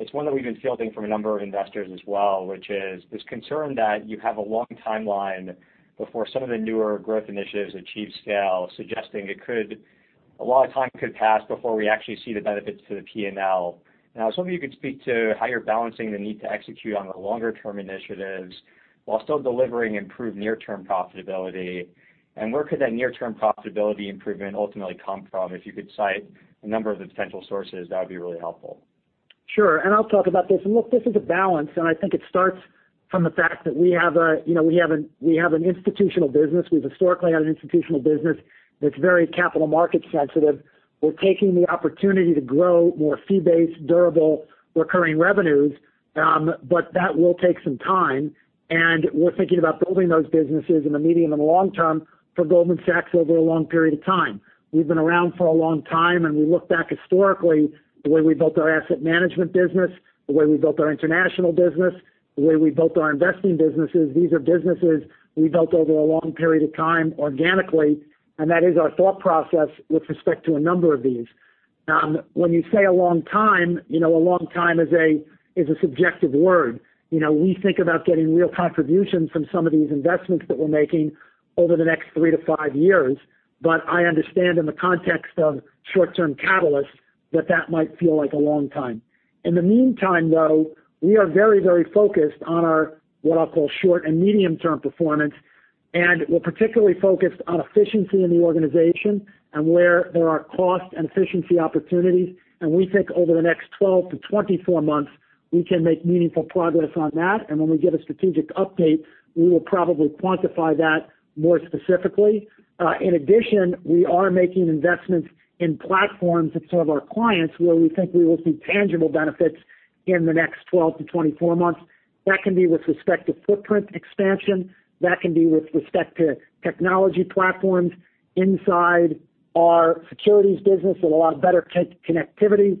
It's one that we've been fielding from a number of investors as well, which is this concern that you have a long timeline before some of the newer growth initiatives achieve scale, suggesting a lot of time could pass before we actually see the benefits to the P&L. I was hoping you could speak to how you're balancing the need to execute on the longer-term initiatives while still delivering improved near-term profitability. Where could that near-term profitability improvement ultimately come from? If you could cite a number of the potential sources, that would be really helpful. Sure. I'll talk about this. Look, this is a balance, and I think it starts from the fact that we have an institutional business. We've historically had an institutional business that's very capital market sensitive. We're taking the opportunity to grow more fee-based, durable, recurring revenues, but that will take some time, and we're thinking about building those businesses in the medium and long term for Goldman Sachs over a long period of time. We've been around for a long time, and we look back historically the way we built our asset management business, the way we built our international business, the way we built our investing businesses. These are businesses we built over a long period of time organically, and that is our thought process with respect to a number of these. When you say a long time, a long time is a subjective word. We think about getting real contributions from some of these investments that we're making over the next 3 to 5 years. I understand in the context of short-term catalysts that that might feel like a long time. In the meantime, though, we are very focused on our, what I'll call, short and medium-term performance, and we're particularly focused on efficiency in the organization and where there are cost and efficiency opportunities. We think over the next 12 to 24 months, we can make meaningful progress on that. When we give a strategic update, we will probably quantify that more specifically. In addition, we are making investments in platforms that serve our clients where we think we will see tangible benefits. In the next 12 to 24 months. That can be with respect to footprint expansion, that can be with respect to technology platforms inside our securities business with a lot better connectivity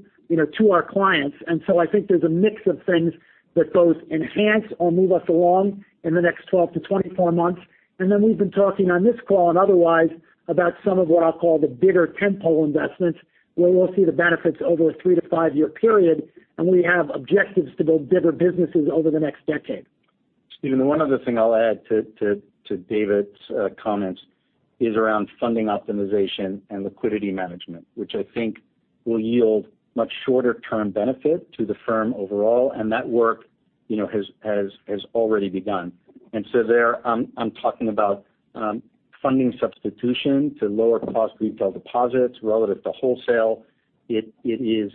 to our clients. I think there's a mix of things that both enhance or move us along in the next 12 to 24 months. We've been talking on this call and otherwise about some of what I'll call the bigger tent pole investments, where we'll see the benefits over a three to five-year period. We have objectives to build bigger businesses over the next decade. Stephen, the one other thing I'll add to David's comments is around funding optimization and liquidity management, which I think will yield much shorter-term benefit to the firm overall. That work has already begun. There, I'm talking about funding substitution to lower cost retail deposits relative to wholesale. It is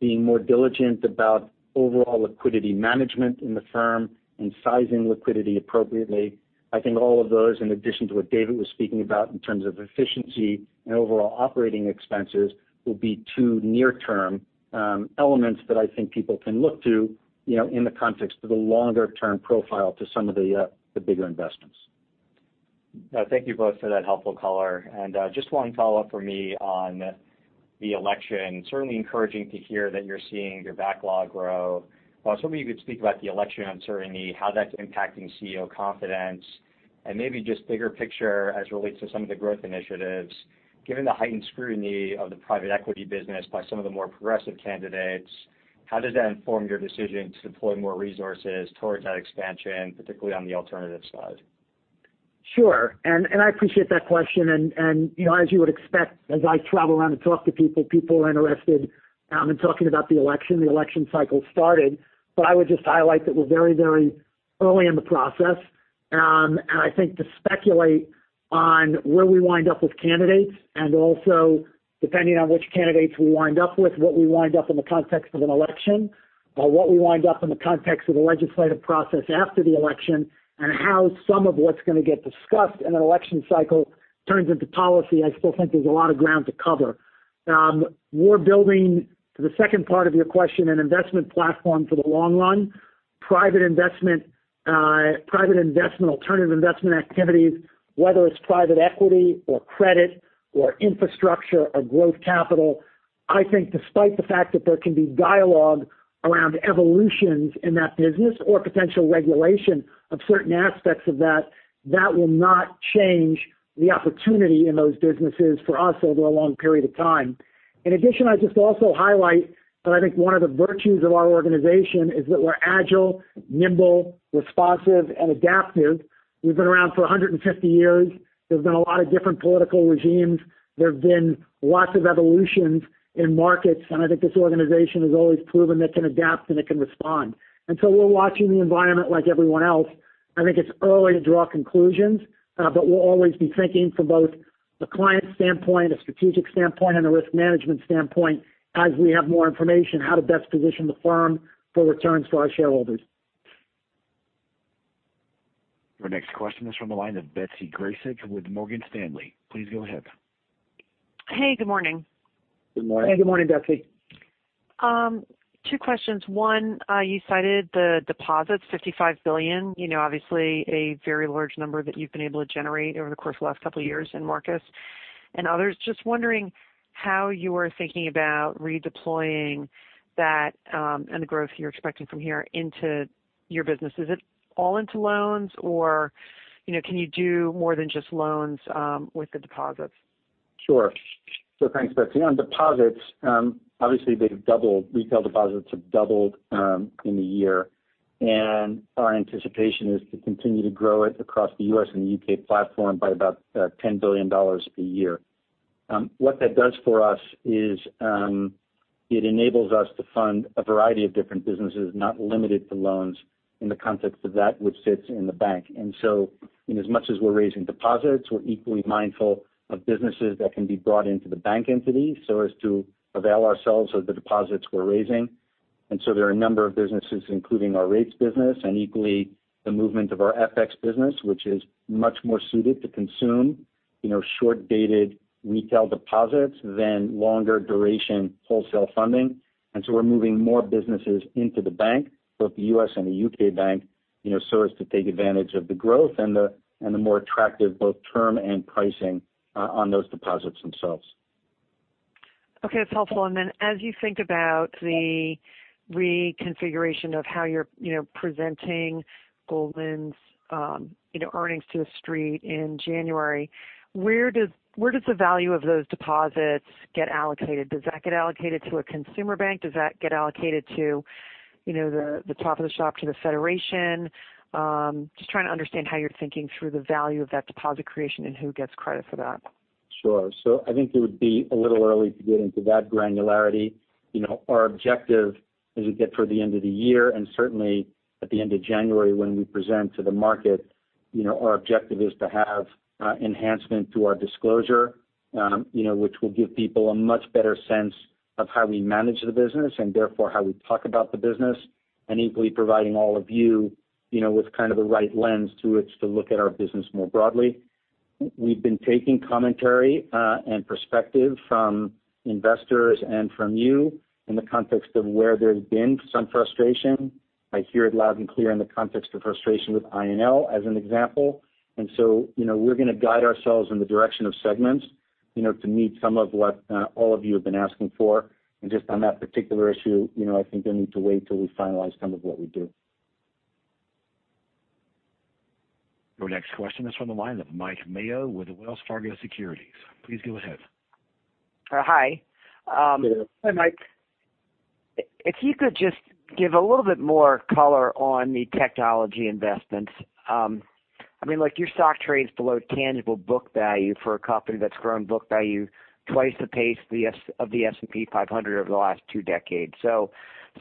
being more diligent about overall liquidity management in the firm and sizing liquidity appropriately. I think all of those, in addition to what David was speaking about in terms of efficiency and overall operating expenses, will be two near-term elements that I think people can look to in the context of the longer-term profile to some of the bigger investments. Thank you both for that helpful color. Just one follow-up from me on the election. Certainly encouraging to hear that you're seeing your backlog grow. I was hoping you could speak about the election uncertainty, how that's impacting CEO confidence, and maybe just bigger picture as it relates to some of the growth initiatives. Given the heightened scrutiny of the private equity business by some of the more progressive candidates, how does that inform your decision to deploy more resources towards that expansion, particularly on the alternative side? Sure. I appreciate that question. As you would expect, as I travel around and talk to people are interested in talking about the election. The election cycle started. I would just highlight that we're very early in the process. I think to speculate on where we wind up with candidates and also depending on which candidates we wind up with, what we wind up in the context of an election, or what we wind up in the context of a legislative process after the election, and how some of what's going to get discussed in an election cycle turns into policy, I still think there's a lot of ground to cover. We're building, to the second part of your question, an investment platform for the long run, private investment, alternative investment activities, whether it's private equity or credit or infrastructure or growth capital. I think despite the fact that there can be dialogue around evolutions in that business or potential regulation of certain aspects of that will not change the opportunity in those businesses for us over a long period of time. In addition, I'd just also highlight that I think one of the virtues of our organization is that we're agile, nimble, responsive, and adaptive. We've been around for 150 years. There's been a lot of different political regimes. There have been lots of evolutions in markets, and I think this organization has always proven it can adapt and it can respond. We're watching the environment like everyone else. I think it's early to draw conclusions. We'll always be thinking from both a client standpoint, a strategic standpoint, and a risk management standpoint as we have more information, how to best position the firm for returns for our shareholders. Our next question is from the line of Betsy Graseck with Morgan Stanley. Please go ahead. Hey, good morning. Good morning. Hey, good morning, Betsy. Two questions. One, you cited the deposits, $55 billion. Obviously a very large number that you've been able to generate over the course of the last couple of years in Marcus and others. Just wondering how you are thinking about redeploying that and the growth you're expecting from here into your business. Is it all into loans or can you do more than just loans with the deposits? Sure. Thanks, Betsy. On deposits obviously they've doubled. Retail deposits have doubled in a year, and our anticipation is to continue to grow it across the U.S. and the U.K. platform by about $10 billion a year. What that does for us is, it enables us to fund a variety of different businesses, not limited to loans in the context of that which sits in the bank. In as much as we're raising deposits, we're equally mindful of businesses that can be brought into the bank entity so as to avail ourselves of the deposits we're raising. There are a number of businesses, including our rates business, and equally the movement of our FX business, which is much more suited to consume short-dated retail deposits than longer duration wholesale funding. We're moving more businesses into the bank, both the U.S. The U.K. bank as to take advantage of the growth and the more attractive both term and pricing on those deposits themselves. Okay. That's helpful. As you think about the reconfiguration of how you're presenting Goldman's earnings to the street in January, where does the value of those deposits get allocated? Does that get allocated to a consumer bank? Does that get allocated to the top of the shop to the federation? Just trying to understand how you're thinking through the value of that deposit creation and who gets credit for that. Sure. I think it would be a little early to get into that granularity. Our objective as we get toward the end of the year, and certainly at the end of January when we present to the market, our objective is to have enhancement to our disclosure which will give people a much better sense of how we manage the business and therefore how we talk about the business, and equally providing all of you with kind of the right lens to which to look at our business more broadly. We've been taking commentary and perspective from investors and from you in the context of where there's been some frustration. I hear it loud and clear in the context of frustration with I&L as an example. We're going to guide ourselves in the direction of segments to meet some of what all of you have been asking for. Just on that particular issue, I think you'll need to wait till we finalize some of what we do. Your next question is from the line of Mike Mayo with Wells Fargo Securities. Please go ahead. Hi. Hi, Mike. If you could just give a little bit more color on the technology investments. I mean, look, your stock trades below tangible book value for a company that's grown book value twice the pace of the S&P 500 over the last two decades.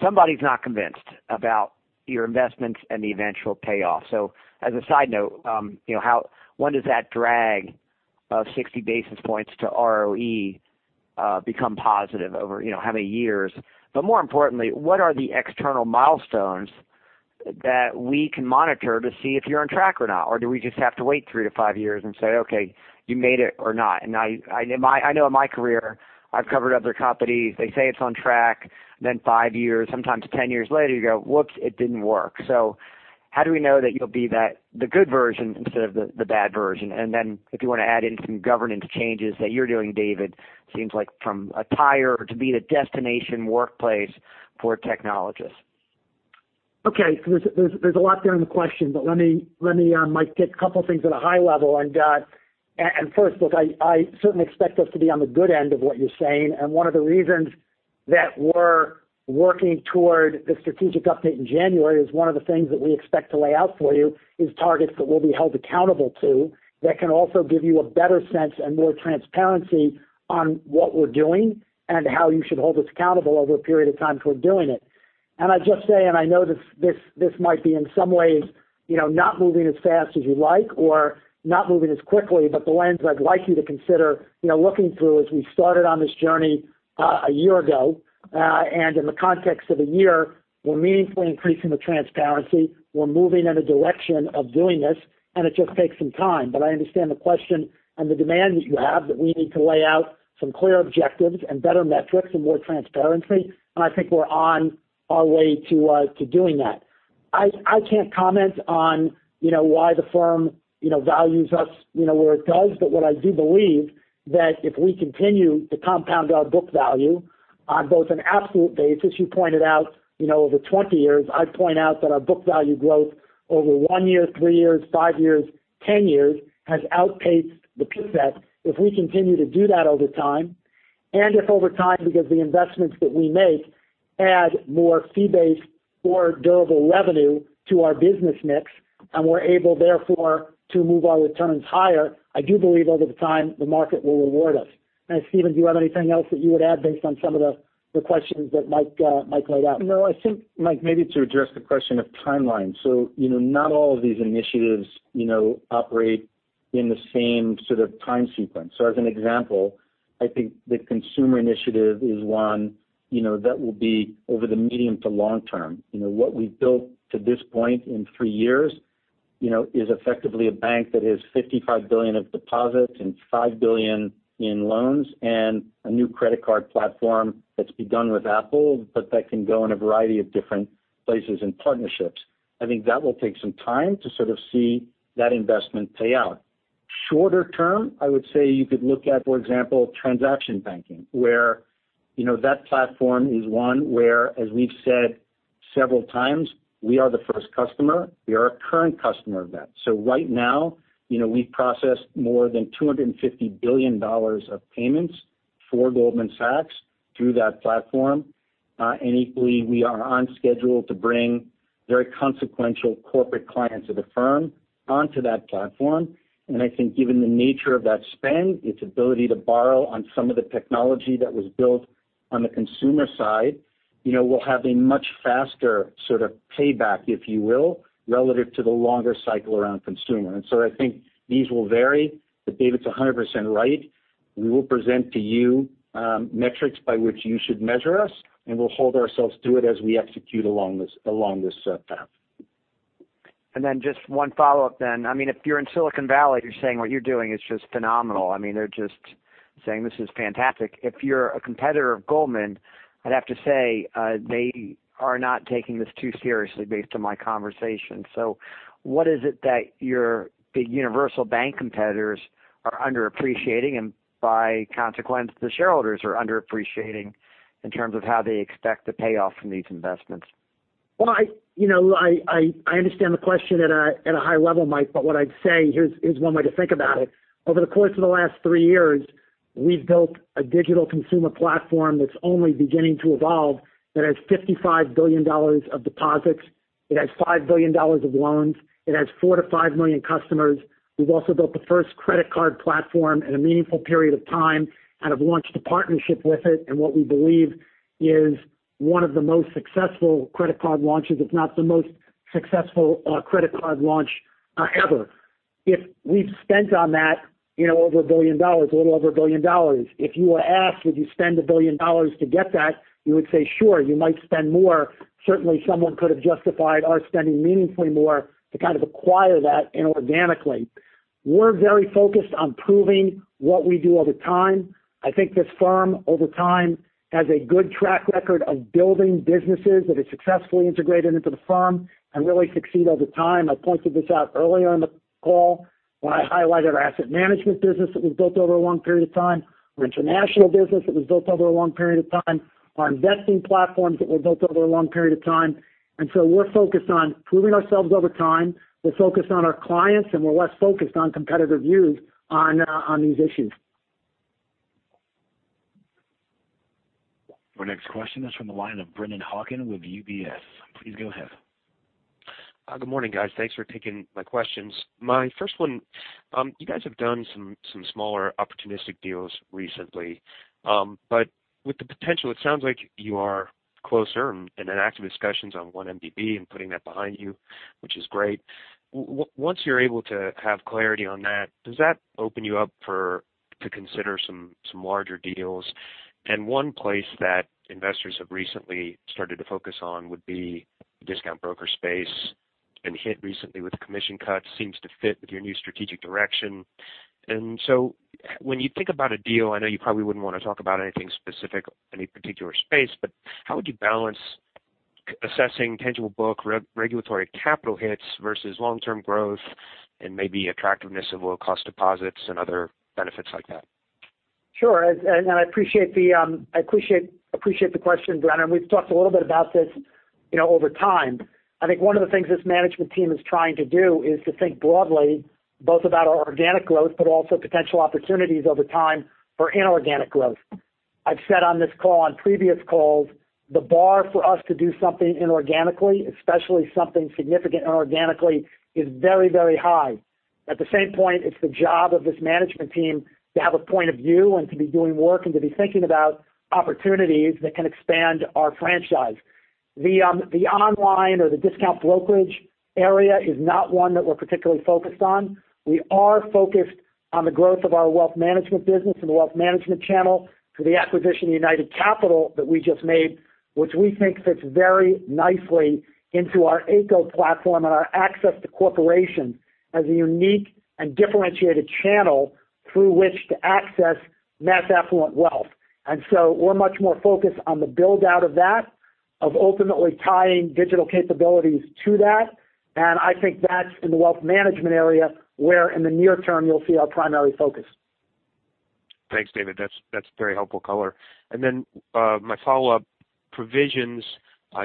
Somebody's not convinced about your investments and the eventual payoff. As a side note, when does that drag of 60 basis points to ROE become positive over how many years? More importantly, what are the external milestones that we can monitor to see if you're on track or not? Do we just have to wait three to five years and say, "Okay, you made it or not"? I know in my career, I've covered other companies. They say it's on track, five years, sometimes 10 years later, you go, "Whoops, it didn't work." How do we know that you'll be the good version instead of the bad version? If you want to add in some governance changes that you're doing, David, seems like from a desire to be the destination workplace for technologists. Okay. There's a lot there in the question. Let me, Mike, get a couple of things at a high level. First, look, I certainly expect us to be on the good end of what you're saying. One of the reasons that we're working toward the Strategic Update in January is one of the things that we expect to lay out for you is targets that we'll be held accountable to that can also give you a better sense and more transparency on what we're doing and how you should hold us accountable over a period of time toward doing it. I'd just say, and I know this might be in some ways not moving as fast as you'd like or not moving as quickly, but the lens I'd like you to consider looking through as we started on this journey a year ago, and in the context of a year, we're meaningfully increasing the transparency. We're moving in a direction of doing this, and it just takes some time. I understand the question and the demand that you have that we need to lay out some clear objectives and better metrics and more transparency, and I think we're on our way to doing that. I can't comment on why the firm values us where it does. What I do believe that if we continue to compound our book value on both an absolute basis, you pointed out over 20 years, I'd point out that our book value growth over one year, three years, five years, 10 years has outpaced the. If we continue to do that over time, and if over time, because the investments that we make add more fee-based or durable revenue to our business mix, and we're able, therefore, to move our returns higher, I do believe over the time, the market will reward us. Stephen, do you have anything else that you would add based on some of the questions that Mike laid out? No, I think, Mike, maybe to address the question of timeline. Not all of these initiatives operate in the same sort of time sequence. As an example, I think the consumer initiative is one that will be over the medium to long term. What we've built to this point in three years is effectively a bank that has $55 billion of deposits and $5 billion in loans and a new credit card platform that's begun with Apple, but that can go in a variety of different places and partnerships. I think that will take some time to sort of see that investment pay out. Shorter term, I would say you could look at, for example, transaction banking, where that platform is one where, as we've said several times, we are the first customer. We are a current customer of that. Right now, we've processed more than $250 billion of payments for Goldman Sachs through that platform. Equally, we are on schedule to bring very consequential corporate clients of the firm onto that platform. I think given the nature of that spend, its ability to borrow on some of the technology that was built on the consumer side will have a much faster sort of payback, if you will, relative to the longer cycle around consumer. I think these will vary, but David's 100% right. We will present to you metrics by which you should measure us, and we'll hold ourselves to it as we execute along this path. Then just one follow-up then. I mean, if you're in Silicon Valley, you're saying what you're doing is just phenomenal. I mean, they're just saying this is fantastic. If you're a competitor of Goldman, I'd have to say they are not taking this too seriously based on my conversation. What is it that your big universal bank competitors are underappreciating, and by consequence, the shareholders are underappreciating in terms of how they expect the payoff from these investments? I understand the question at a high level, Mike, but what I'd say, here's one way to think about it. Over the course of the last three years, we've built a digital consumer platform that's only beginning to evolve that has $55 billion of deposits. It has $5 billion of loans. It has 4 million-5 million customers. We've also built the first credit card platform in a meaningful period of time and have launched a partnership with it in what we believe is one of the most successful credit card launches, if not the most successful credit card launch ever. If we've spent on that over $1 billion, a little over $1 billion. If you were asked, would you spend $1 billion to get that, you would say, sure. You might spend more. Certainly, someone could have justified our spending meaningfully more to acquire that inorganically. We're very focused on proving what we do over time. I think this firm, over time, has a good track record of building businesses that have successfully integrated into the firm and really succeed over time. I pointed this out earlier in the call when I highlighted our asset management business that was built over a long period of time, our international business that was built over a long period of time, our investing platforms that were built over a long period of time. We're focused on proving ourselves over time. We're focused on our clients, and we're less focused on competitive views on these issues. Our next question is from the line of Brennan Hawken with UBS. Please go ahead. Good morning, guys. Thanks for taking my questions. My first one. You guys have done some smaller opportunistic deals recently. With the potential, it sounds like you are closer and in active discussions on 1MDB and putting that behind you, which is great. Once you're able to have clarity on that, does that open you up to consider some larger deals? One place that investors have recently started to focus on would be discount broker space and hit recently with commission cuts seems to fit with your new strategic direction. When you think about a deal, I know you probably wouldn't want to talk about anything specific, any particular space, but how would you balance assessing tangible book regulatory capital hits versus long-term growth and maybe attractiveness of low-cost deposits and other benefits like that? Sure. I appreciate the question, Brennan. We've talked a little bit about this over time. I think one of the things this management team is trying to do is to think broadly, both about our organic growth, but also potential opportunities over time for inorganic growth. I've said on this call, on previous calls, the bar for us to do something inorganically, especially something significant inorganically, is very, very high. At the same point, it's the job of this management team to have a point of view and to be doing work and to be thinking about opportunities that can expand our franchise. The online or the discount brokerage area is not one that we're particularly focused on. We are focused on the growth of our wealth management business and the wealth management channel through the acquisition of United Capital that we just made, which we think fits very nicely into our Ayco platform and our access to corporation as a unique and differentiated channel through which to access mass affluent wealth. So we're much more focused on the build-out of that, of ultimately tying digital capabilities to that. I think that's in the wealth management area where in the near term you'll see our primary focus. Thanks, David. That's very helpful color. My follow-up. Provisions,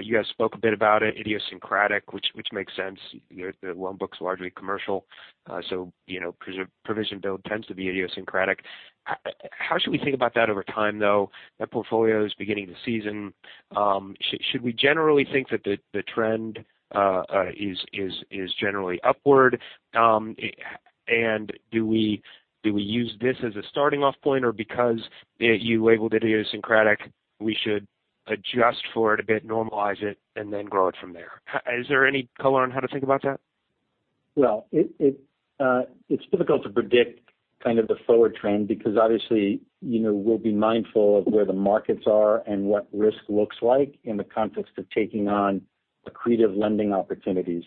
you guys spoke a bit about it, idiosyncratic, which makes sense. The loan book's largely commercial so provision build tends to be idiosyncratic. How should we think about that over time, though, that portfolio is beginning to season? Should we generally think that the trend is generally upward? Do we use this as a starting off point, or because you labeled it idiosyncratic, we should adjust for it a bit, normalize it, and then grow it from there? Is there any color on how to think about that? Well, it's difficult to predict kind of the forward trend because obviously, we'll be mindful of where the markets are and what risk looks like in the context of taking on accretive lending opportunities.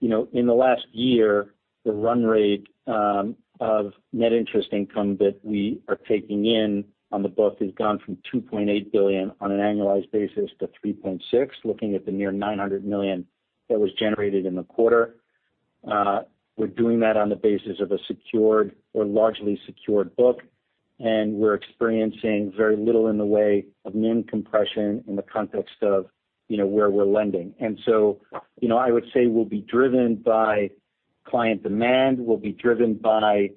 In the last year, the run rate of net interest income that we are taking in on the book has gone from $2.8 billion on an annualized basis to $3.6 billion, looking at the near $900 million that was generated in the quarter. We're doing that on the basis of a secured or largely secured book, and we're experiencing very little in the way of NIM compression in the context of where we're lending. I would say we'll be driven by client demand, we'll be driven by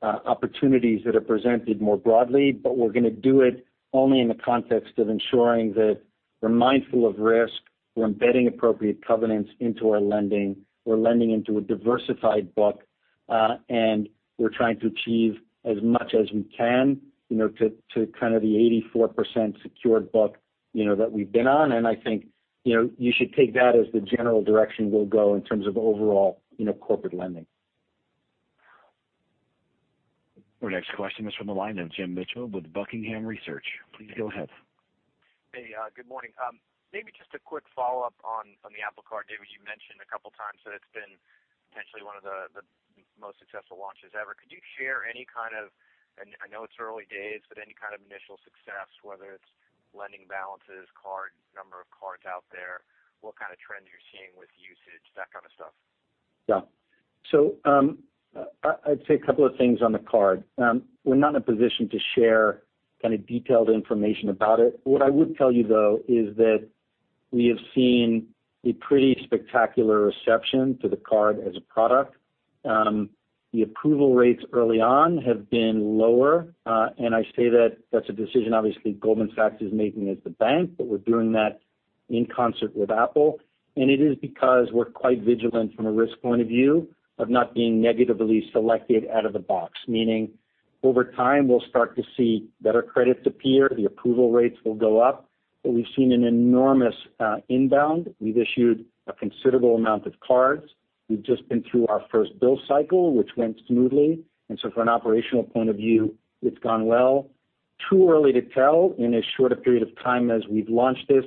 opportunities that are presented more broadly, but we're going to do it only in the context of ensuring that we're mindful of risk. We're embedding appropriate covenants into our lending. We're lending into a diversified book. We're trying to achieve as much as we can to kind of the 84% secured book that we've been on. I think you should take that as the general direction we'll go in terms of overall corporate lending. Our next question is from the line of Jim Mitchell with Buckingham Research. Please go ahead. Hey, good morning. Maybe just a quick follow-up on the Apple Card. David, you mentioned a couple times that it's been potentially one of the most successful launches ever. Could you share any kind of, I know it's early days, but any kind of initial success, whether it's lending balances, number of cards out there, what kind of trends you're seeing with usage, that kind of stuff? I'd say a couple of things on the card. We're not in a position to share kind of detailed information about it. What I would tell you, though, is that we have seen a pretty spectacular reception to the Apple Card as a product. The approval rates early on have been lower. I say that's a decision obviously Goldman Sachs is making as the bank, but we're doing that in concert with Apple. It is because we're quite vigilant from a risk point of view of not being negatively selected out of the box. Over time, we'll start to see better credits appear. The approval rates will go up. We've seen an enormous inbound. We've issued a considerable amount of cards. We've just been through our first bill cycle, which went smoothly. From an operational point of view, it's gone well. Too early to tell in as short a period of time as we've launched this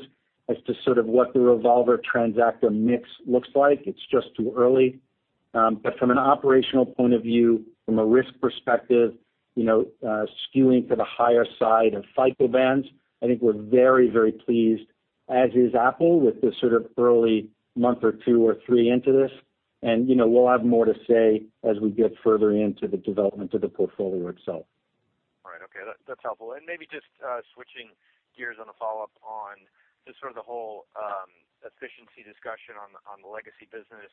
as to sort of what the revolver transactor mix looks like. It's just too early. From an operational point of view, from a risk perspective, skewing to the higher side of cycle bands, I think we're very, very pleased, as is Apple, with this sort of early month or two or three into this. We'll have more to say as we get further into the development of the portfolio itself. All right. Okay. That's helpful. Maybe just switching gears on a follow-up on just sort of the whole efficiency discussion on the legacy business.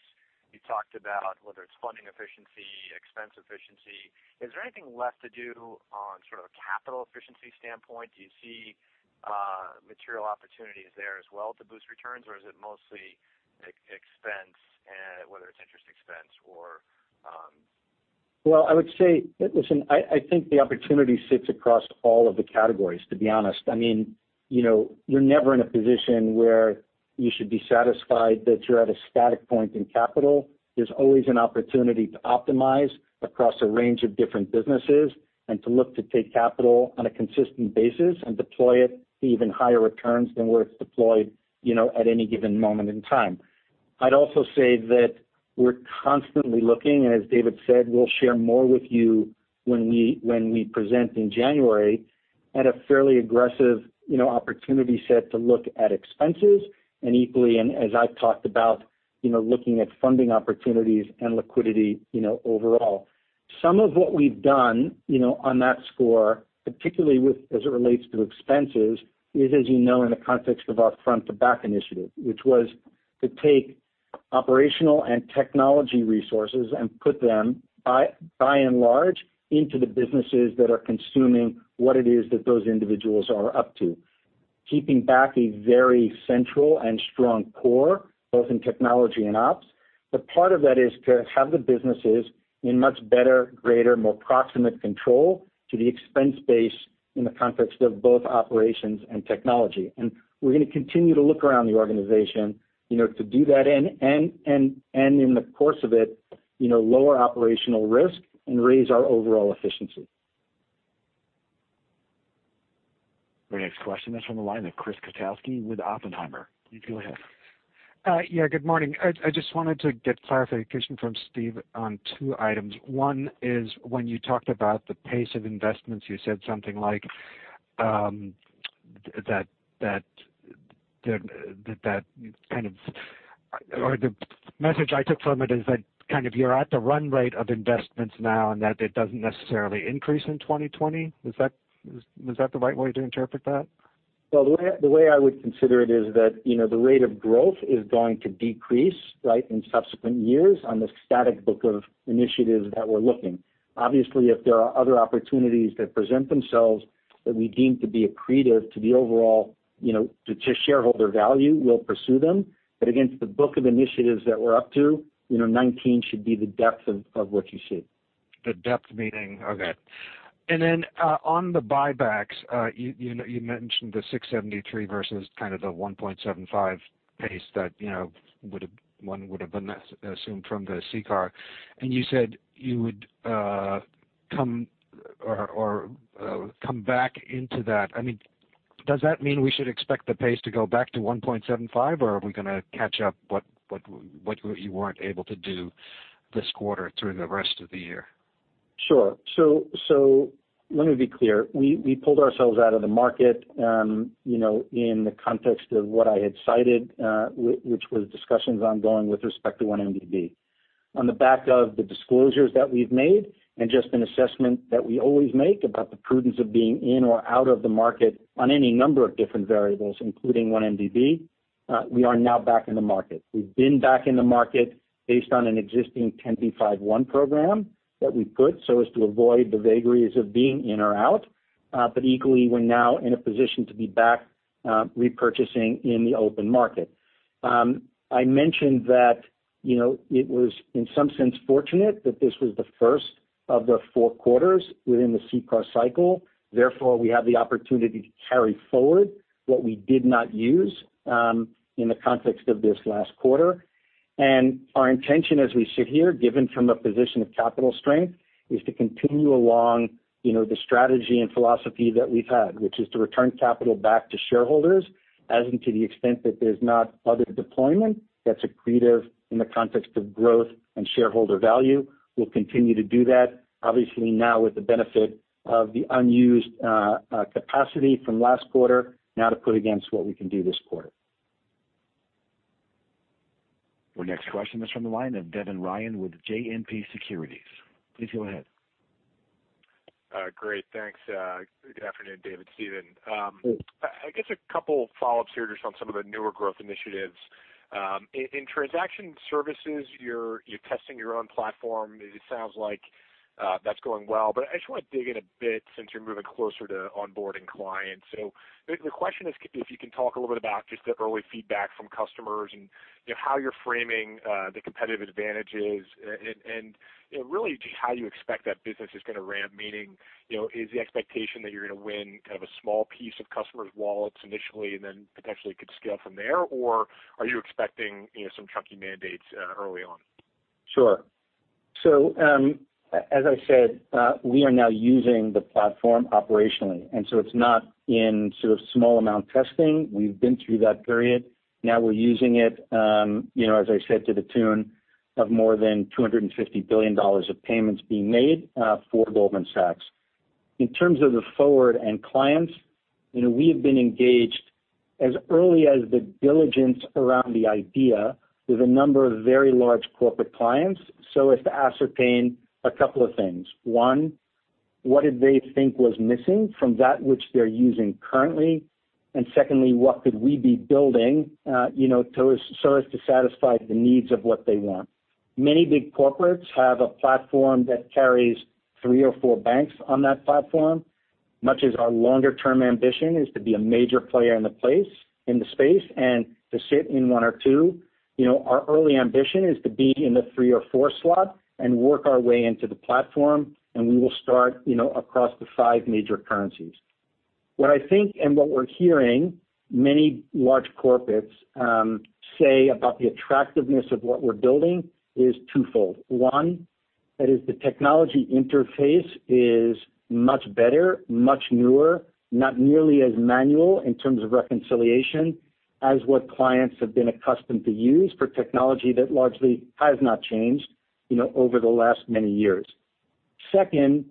You talked about whether it's funding efficiency, expense efficiency. Is there anything left to do on sort of a capital efficiency standpoint? Do you see material opportunities there as well to boost returns, or is it mostly expense, whether it's interest expense or-? Well, I would say, listen, I think the opportunity sits across all of the categories, to be honest. You're never in a position where you should be satisfied that you're at a static point in capital. There's always an opportunity to optimize across a range of different businesses and to look to take capital on a consistent basis and deploy it to even higher returns than where it's deployed at any given moment in time. I'd also say that we're constantly looking, and as David said, we'll share more with you when we present in January at a fairly aggressive opportunity set to look at expenses, and equally, and as I've talked about looking at funding opportunities and liquidity overall. Some of what we've done on that score, particularly as it relates to expenses, is, as you know in the context of our Front-to-Back Initiative. Which was to take operational and technology resources and put them, by and large, into the businesses that are consuming what it is that those individuals are up to. Keeping back a very central and strong core, both in technology and ops. Part of that is to have the businesses in much better, greater, more proximate control to the expense base in the context of both operations and technology. We're going to continue to look around the organization to do that, and in the course of it lower operational risk and raise our overall efficiency. Our next question is from the line of Chris Kotowski with Oppenheimer. Please go ahead. Yeah. Good morning. I just wanted to get clarification from Steve on two items. One is when you talked about the pace of investments, you said something like or the message I took from it is that kind of you're at the run rate of investments now, and that it doesn't necessarily increase in 2020. Is that the right way to interpret that? Well, the way I would consider it is that the rate of growth is going to decrease right in subsequent years on the static book of initiatives that we're looking. Obviously, if there are other opportunities that present themselves that we deem to be accretive to shareholder value, we'll pursue them. Against the book of initiatives that we're up to, 2019 should be the depth of what you see. The depth meaning, okay. On the buybacks you mentioned the $673 versus kind of the $1.75 pace that one would've assumed from the CCAR, and you said you would come back into that. Does that mean we should expect the pace to go back to $1.75, or are we going to catch up what you weren't able to do this quarter through the rest of the year? Sure. Let me be clear. We pulled ourselves out of the market in the context of what I had cited which was discussions ongoing with respect to 1MDB. On the back of the disclosures that we've made and just an assessment that we always make about the prudence of being in or out of the market on any number of different variables, including 1MDB, we are now back in the market. We've been back in the market based on an existing 10b5-1 program that we put so as to avoid the vagaries of being in or out. Equally, we're now in a position to be back repurchasing in the open market. I mentioned that it was in some sense fortunate that this was the first of the four quarters within the CCAR cycle. Therefore, we have the opportunity to carry forward what we did not use in the context of this last quarter. Our intention as we sit here, given from a position of capital strength, is to continue along the strategy and philosophy that we've had, which is to return capital back to shareholders, as and to the extent that there's not other deployment that's accretive in the context of growth and shareholder value. We'll continue to do that, obviously now with the benefit of the unused capacity from last quarter now to put against what we can do this quarter. Our next question is from the line of Devin Ryan with JMP Securities. Please go ahead. Great. Thanks. Good afternoon, David, Stephen. I guess a couple follow-ups here just on some of the newer growth initiatives. In transaction services, you're testing your own platform. It sounds like that's going well. I just want to dig in a bit since you're moving closer to onboarding clients. The question is, if you can talk a little bit about just the early feedback from customers and how you're framing the competitive advantages and really just how you expect that business is going to ramp. Meaning, is the expectation that you're going to win a small piece of customers' wallets initially and then potentially could scale from there? Are you expecting some chunky mandates early on? Sure. As I said, we are now using the platform operationally, it's not in sort of small amount testing. We've been through that period. Now we're using it, as I said, to the tune of more than $250 billion of payments being made for Goldman Sachs. In terms of the forward and clients, we have been engaged as early as the diligence around the idea with a number of very large corporate clients so as to ascertain a couple of things. One, what did they think was missing from that which they're using currently? Secondly, what could we be building so as to satisfy the needs of what they want? Many big corporates have a platform that carries three or four banks on that platform. Much as our longer-term ambition is to be a major player in the space and to sit in one or two, our early ambition is to be in the three or four slot and work our way into the platform, and we will start across the five major currencies. What I think and what we're hearing many large corporates say about the attractiveness of what we're building is twofold. One, that is the technology interface is much better, much newer, not nearly as manual in terms of reconciliation as what clients have been accustomed to use for technology that largely has not changed over the last many years. Second,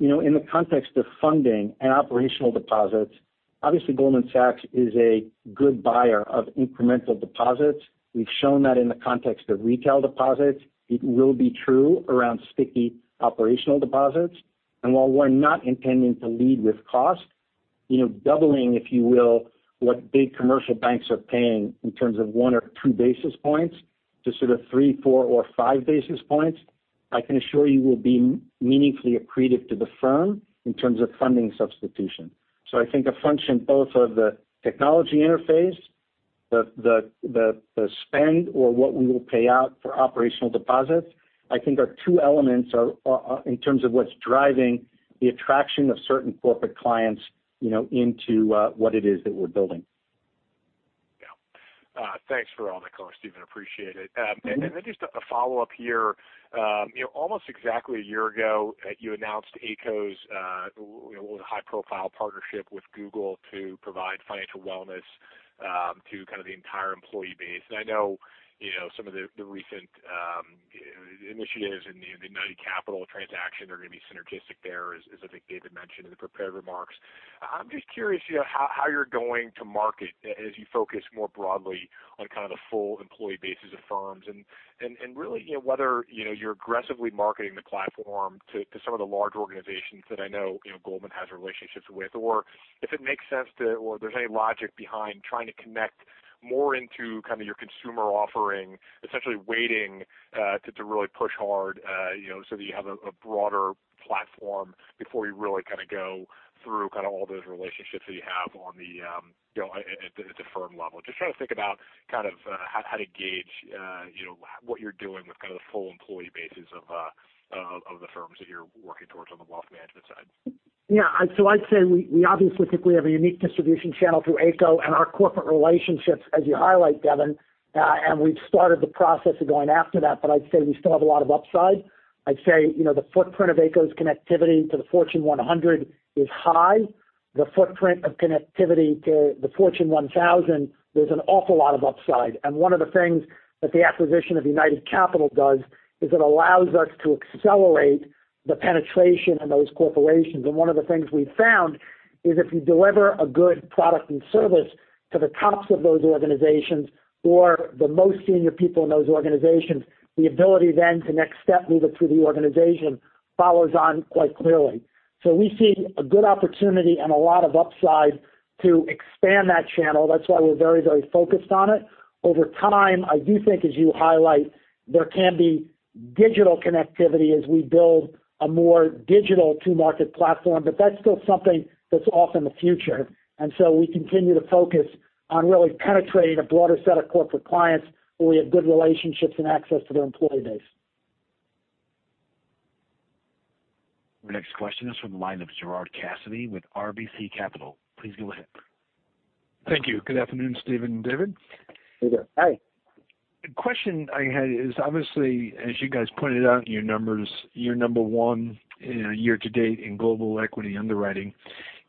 in the context of funding and operational deposits, obviously Goldman Sachs is a good buyer of incremental deposits. We've shown that in the context of retail deposits. It will be true around sticky operational deposits. While we're not intending to lead with cost, doubling, if you will, what big commercial banks are paying in terms of one or two basis points to sort of three, four or five basis points, I can assure you will be meaningfully accretive to the firm in terms of funding substitution. I think a function both of the technology interface, the spend or what we will pay out for operational deposits, I think are two elements in terms of what's driving the attraction of certain corporate clients into what it is that we're building. Yeah. Thanks for all the color, Steven. Appreciate it. Just a follow-up here. Almost exactly a year ago, you announced Ayco's high-profile partnership with Google to provide financial wellness to the entire employee base. I know some of the recent initiatives in the United Capital transaction are going to be synergistic there, as I think David mentioned in the prepared remarks. I'm just curious how you're going to market as you focus more broadly on the full employee bases of firms and really whether you're aggressively marketing the platform to some of the large organizations that I know Goldman has relationships with, or if it makes sense to, or if there's any logic behind trying to connect more into your consumer offering, essentially waiting to really push hard so that you have a broader platform before you really go through all those relationships that you have at the firm level. Just trying to think about how to gauge what you're doing with the full employee bases of the firms that you're working towards on the wealth management side. I'd say we obviously think we have a unique distribution channel through Ayco and our corporate relationships, as you highlight, Devin, and we've started the process of going after that. I'd say we still have a lot of upside. I'd say the footprint of Ayco's connectivity to the Fortune 100 is high. The footprint of connectivity to the Fortune 1000, there's an awful lot of upside. One of the things that the acquisition of United Capital does is it allows us to accelerate the penetration in those corporations. One of the things we've found is if you deliver a good product and service to the tops of those organizations or the most senior people in those organizations, the ability then to next step move it through the organization follows on quite clearly. We see a good opportunity and a lot of upside to expand that channel. That's why we're very focused on it. Over time, I do think, as you highlight, there can be digital connectivity as we build a more digital to market platform, but that's still something that's off in the future. We continue to focus on really penetrating a broader set of corporate clients where we have good relationships and access to their employee base. Our next question is from the line of Gerard Cassidy with RBC Capital. Please go ahead. Thank you. Good afternoon, Steven and David. Hey, there. Hi. The question I had is, obviously, as you guys pointed out in your numbers, you're number one year to date in global equity underwriting.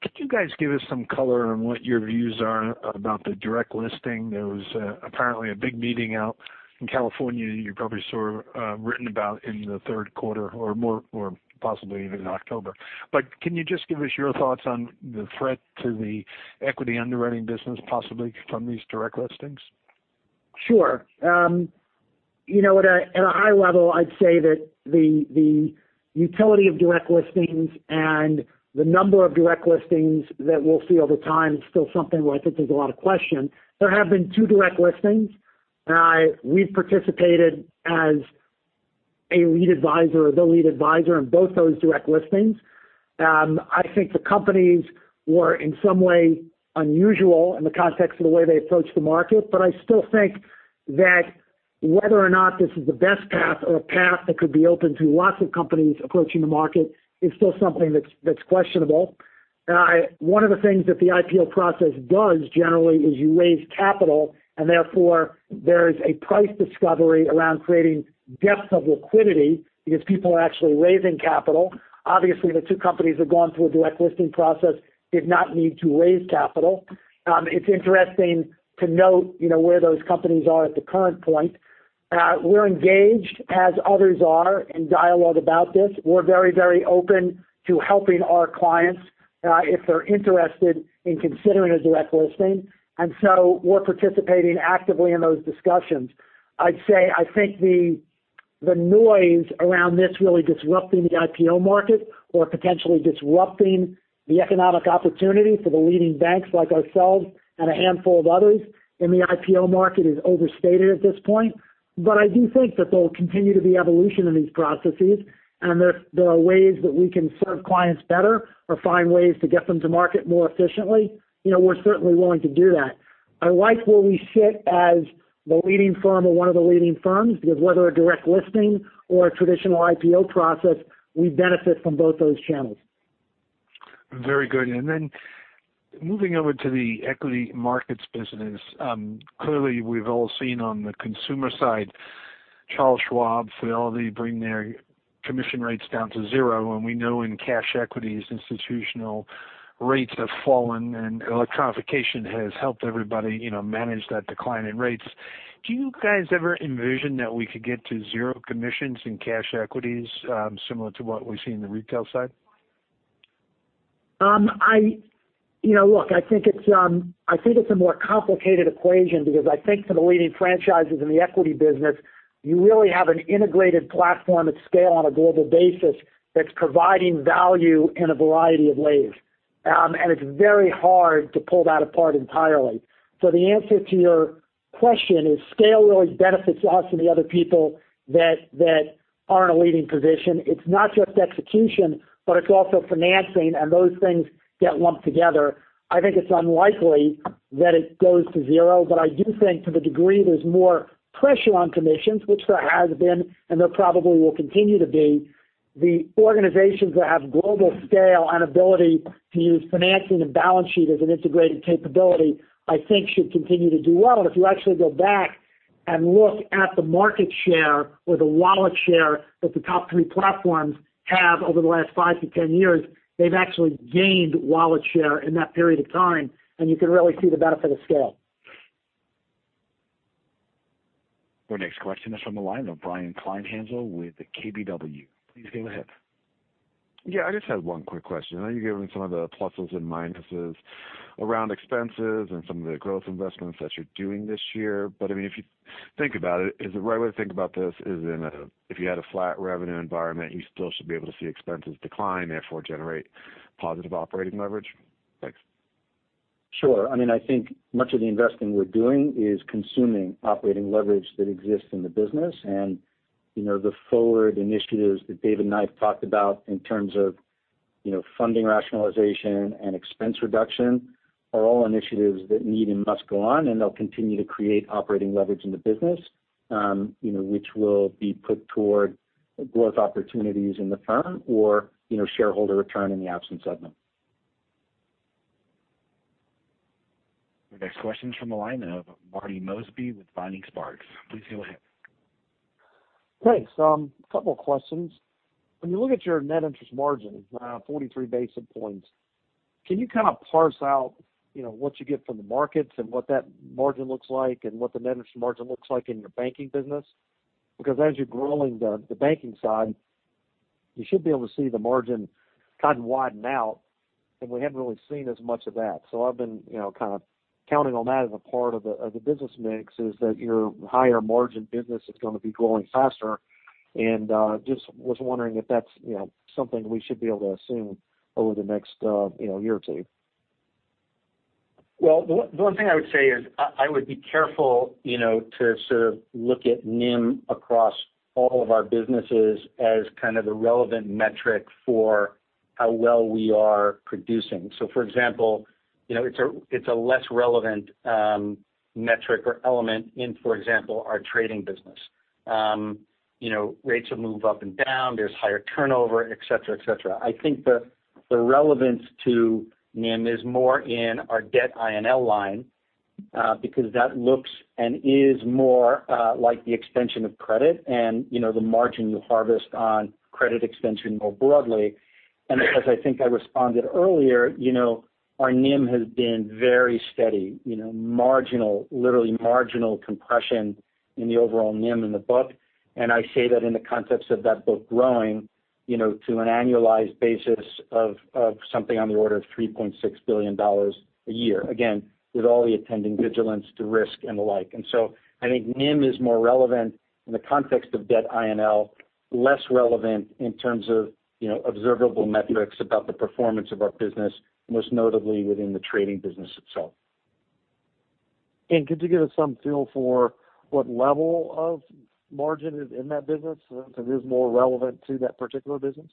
Could you guys give us some color on what your views are about the direct listing? There was apparently a big meeting out in California you probably saw written about in the third quarter or possibly even in October. Can you just give us your thoughts on the threat to the equity underwriting business possibly from these direct listings? Sure. At a high level, I'd say that the utility of direct listings and the number of direct listings that we'll see over time is still something where I think there's a lot of question. There have been two direct listings. We've participated as a lead advisor or the lead advisor on both those direct listings. I think the companies were in some way unusual in the context of the way they approached the market, but I still think that whether or not this is the best path or a path that could be open to lots of companies approaching the market is still something that's questionable. One of the things that the IPO process does generally is you raise capital, and therefore there is a price discovery around creating depth of liquidity because people are actually raising capital. Obviously, the two companies have gone through a direct listing process, did not need to raise capital. It's interesting to note where those companies are at the current point. We're engaged, as others are, in dialogue about this. We're very open to helping our clients if they're interested in considering a direct listing. We're participating actively in those discussions. I'd say, I think the noise around this really disrupting the IPO market or potentially disrupting the economic opportunity for the leading banks like ourselves and a handful of others in the IPO market is overstated at this point. I do think that there will continue to be evolution in these processes, and there are ways that we can serve clients better or find ways to get them to market more efficiently. We're certainly willing to do that. I like where we sit as the leading firm or one of the leading firms, because whether a direct listing or a traditional IPO process, we benefit from both those channels. Very good. Moving over to the equity markets business. Clearly, we've all seen on the consumer side, Charles Schwab, Fidelity bring their commission rates down to zero, and we know in cash equities, institutional rates have fallen and electrification has helped everybody manage that decline in rates. Do you guys ever envision that we could get to zero commissions in cash equities, similar to what we see in the retail side? Look, I think it's a more complicated equation because I think for the leading franchises in the equity business, you really have an integrated platform at scale on a global basis that's providing value in a variety of ways. It's very hard to pull that apart entirely. The answer to your question is scale really benefits us and the other people that are in a leading position. It's not just execution, but it's also financing and those things get lumped together. I think it's unlikely that it goes to zero, but I do think to the degree there's more pressure on commissions, which there has been and there probably will continue to be. The organizations that have global scale and ability to use financing and balance sheet as an integrated capability, I think should continue to do well. If you actually go back and look at the market share or the wallet share that the top three platforms have over the last five to 10 years, they've actually gained wallet share in that period of time, and you can really see the benefit of scale. Our next question is from the line of Brian Kleinhanzl with KBW. Please go ahead. Yeah, I just had one quick question. I know you gave me some of the pluses and minuses around expenses and some of the growth investments that you're doing this year. If you think about it, is the right way to think about this is in a, if you had a flat revenue environment, you still should be able to see expenses decline, therefore generate positive operating leverage? Thanks. Sure. I think much of the investing we're doing is consuming operating leverage that exists in the business. The forward initiatives that Dave and I have talked about in terms of funding rationalization and expense reduction are all initiatives that need and must go on, and they'll continue to create operating leverage in the business which will be put toward growth opportunities in the firm or shareholder return in the absence of them. Our next question is from the line of Marty Mosby with Vining Sparks. Please go ahead. Thanks. A couple of questions. When you look at your net interest margin, around 43 basis points, can you kind of parse out what you get from the markets and what that margin looks like and what the net interest margin looks like in your banking business? Because as you're growing the banking side, you should be able to see the margin kind of widen out, and we haven't really seen as much of that. I've been kind of counting on that as a part of the business mix is that your higher margin business is going to be growing faster. Just was wondering if that's something we should be able to assume over the next year or two. The one thing I would say is I would be careful to sort of look at NIM across all of our businesses as kind of a relevant metric for how well we are producing. For example, it's a less relevant metric or element in, for example, our trading business. Rates will move up and down, there's higher turnover, et cetera. I think the relevance to NIM is more in our debt I&L line because that looks and is more like the extension of credit and the margin you harvest on credit extension more broadly. As I think I responded earlier, our NIM has been very steady. Marginal, literally marginal compression in the overall NIM in the book. I say that in the context of that book growing to an annualized basis of something on the order of $3.6 billion a year. Again, with all the attending vigilance to risk and the like. I think NIM is more relevant in the context of debt I&L, less relevant in terms of observable metrics about the performance of our business, most notably within the trading business itself. Could you give us some feel for what level of margin is in that business? It is more relevant to that particular business.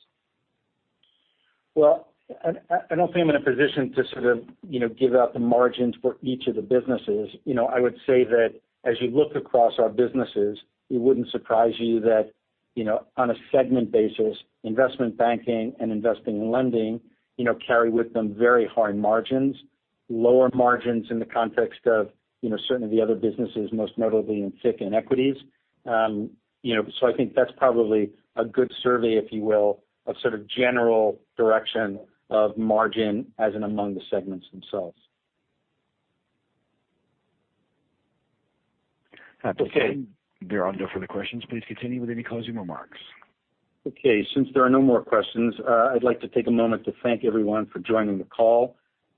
Well, I don't think I'm in a position to sort of give out the margins for each of the businesses. I would say that as you look across our businesses, it wouldn't surprise you that on a segment basis, Investment Banking and Investing & Lending carry with them very high margins. Lower margins in the context of certain of the other businesses, most notably in FICC and equities. I think that's probably a good survey, if you will, of sort of general direction of margin as in among the segments themselves. Okay. There are no further questions. Please continue with any closing remarks. Okay. Since there are no more questions, I'd like to take a moment to thank everyone for joining the call.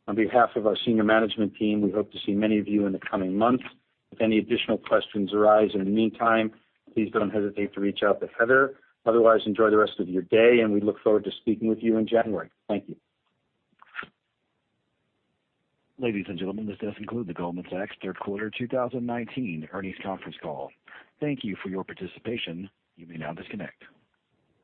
On behalf of our senior management team, we hope to see many of you in the coming months. If any additional questions arise in the meantime, please don't hesitate to reach out to Heather. Otherwise, enjoy the rest of your day, and we look forward to speaking with you in January. Thank you. Ladies and gentlemen, this does conclude the Goldman Sachs third quarter 2019 earnings conference call. Thank you for your participation. You may now disconnect.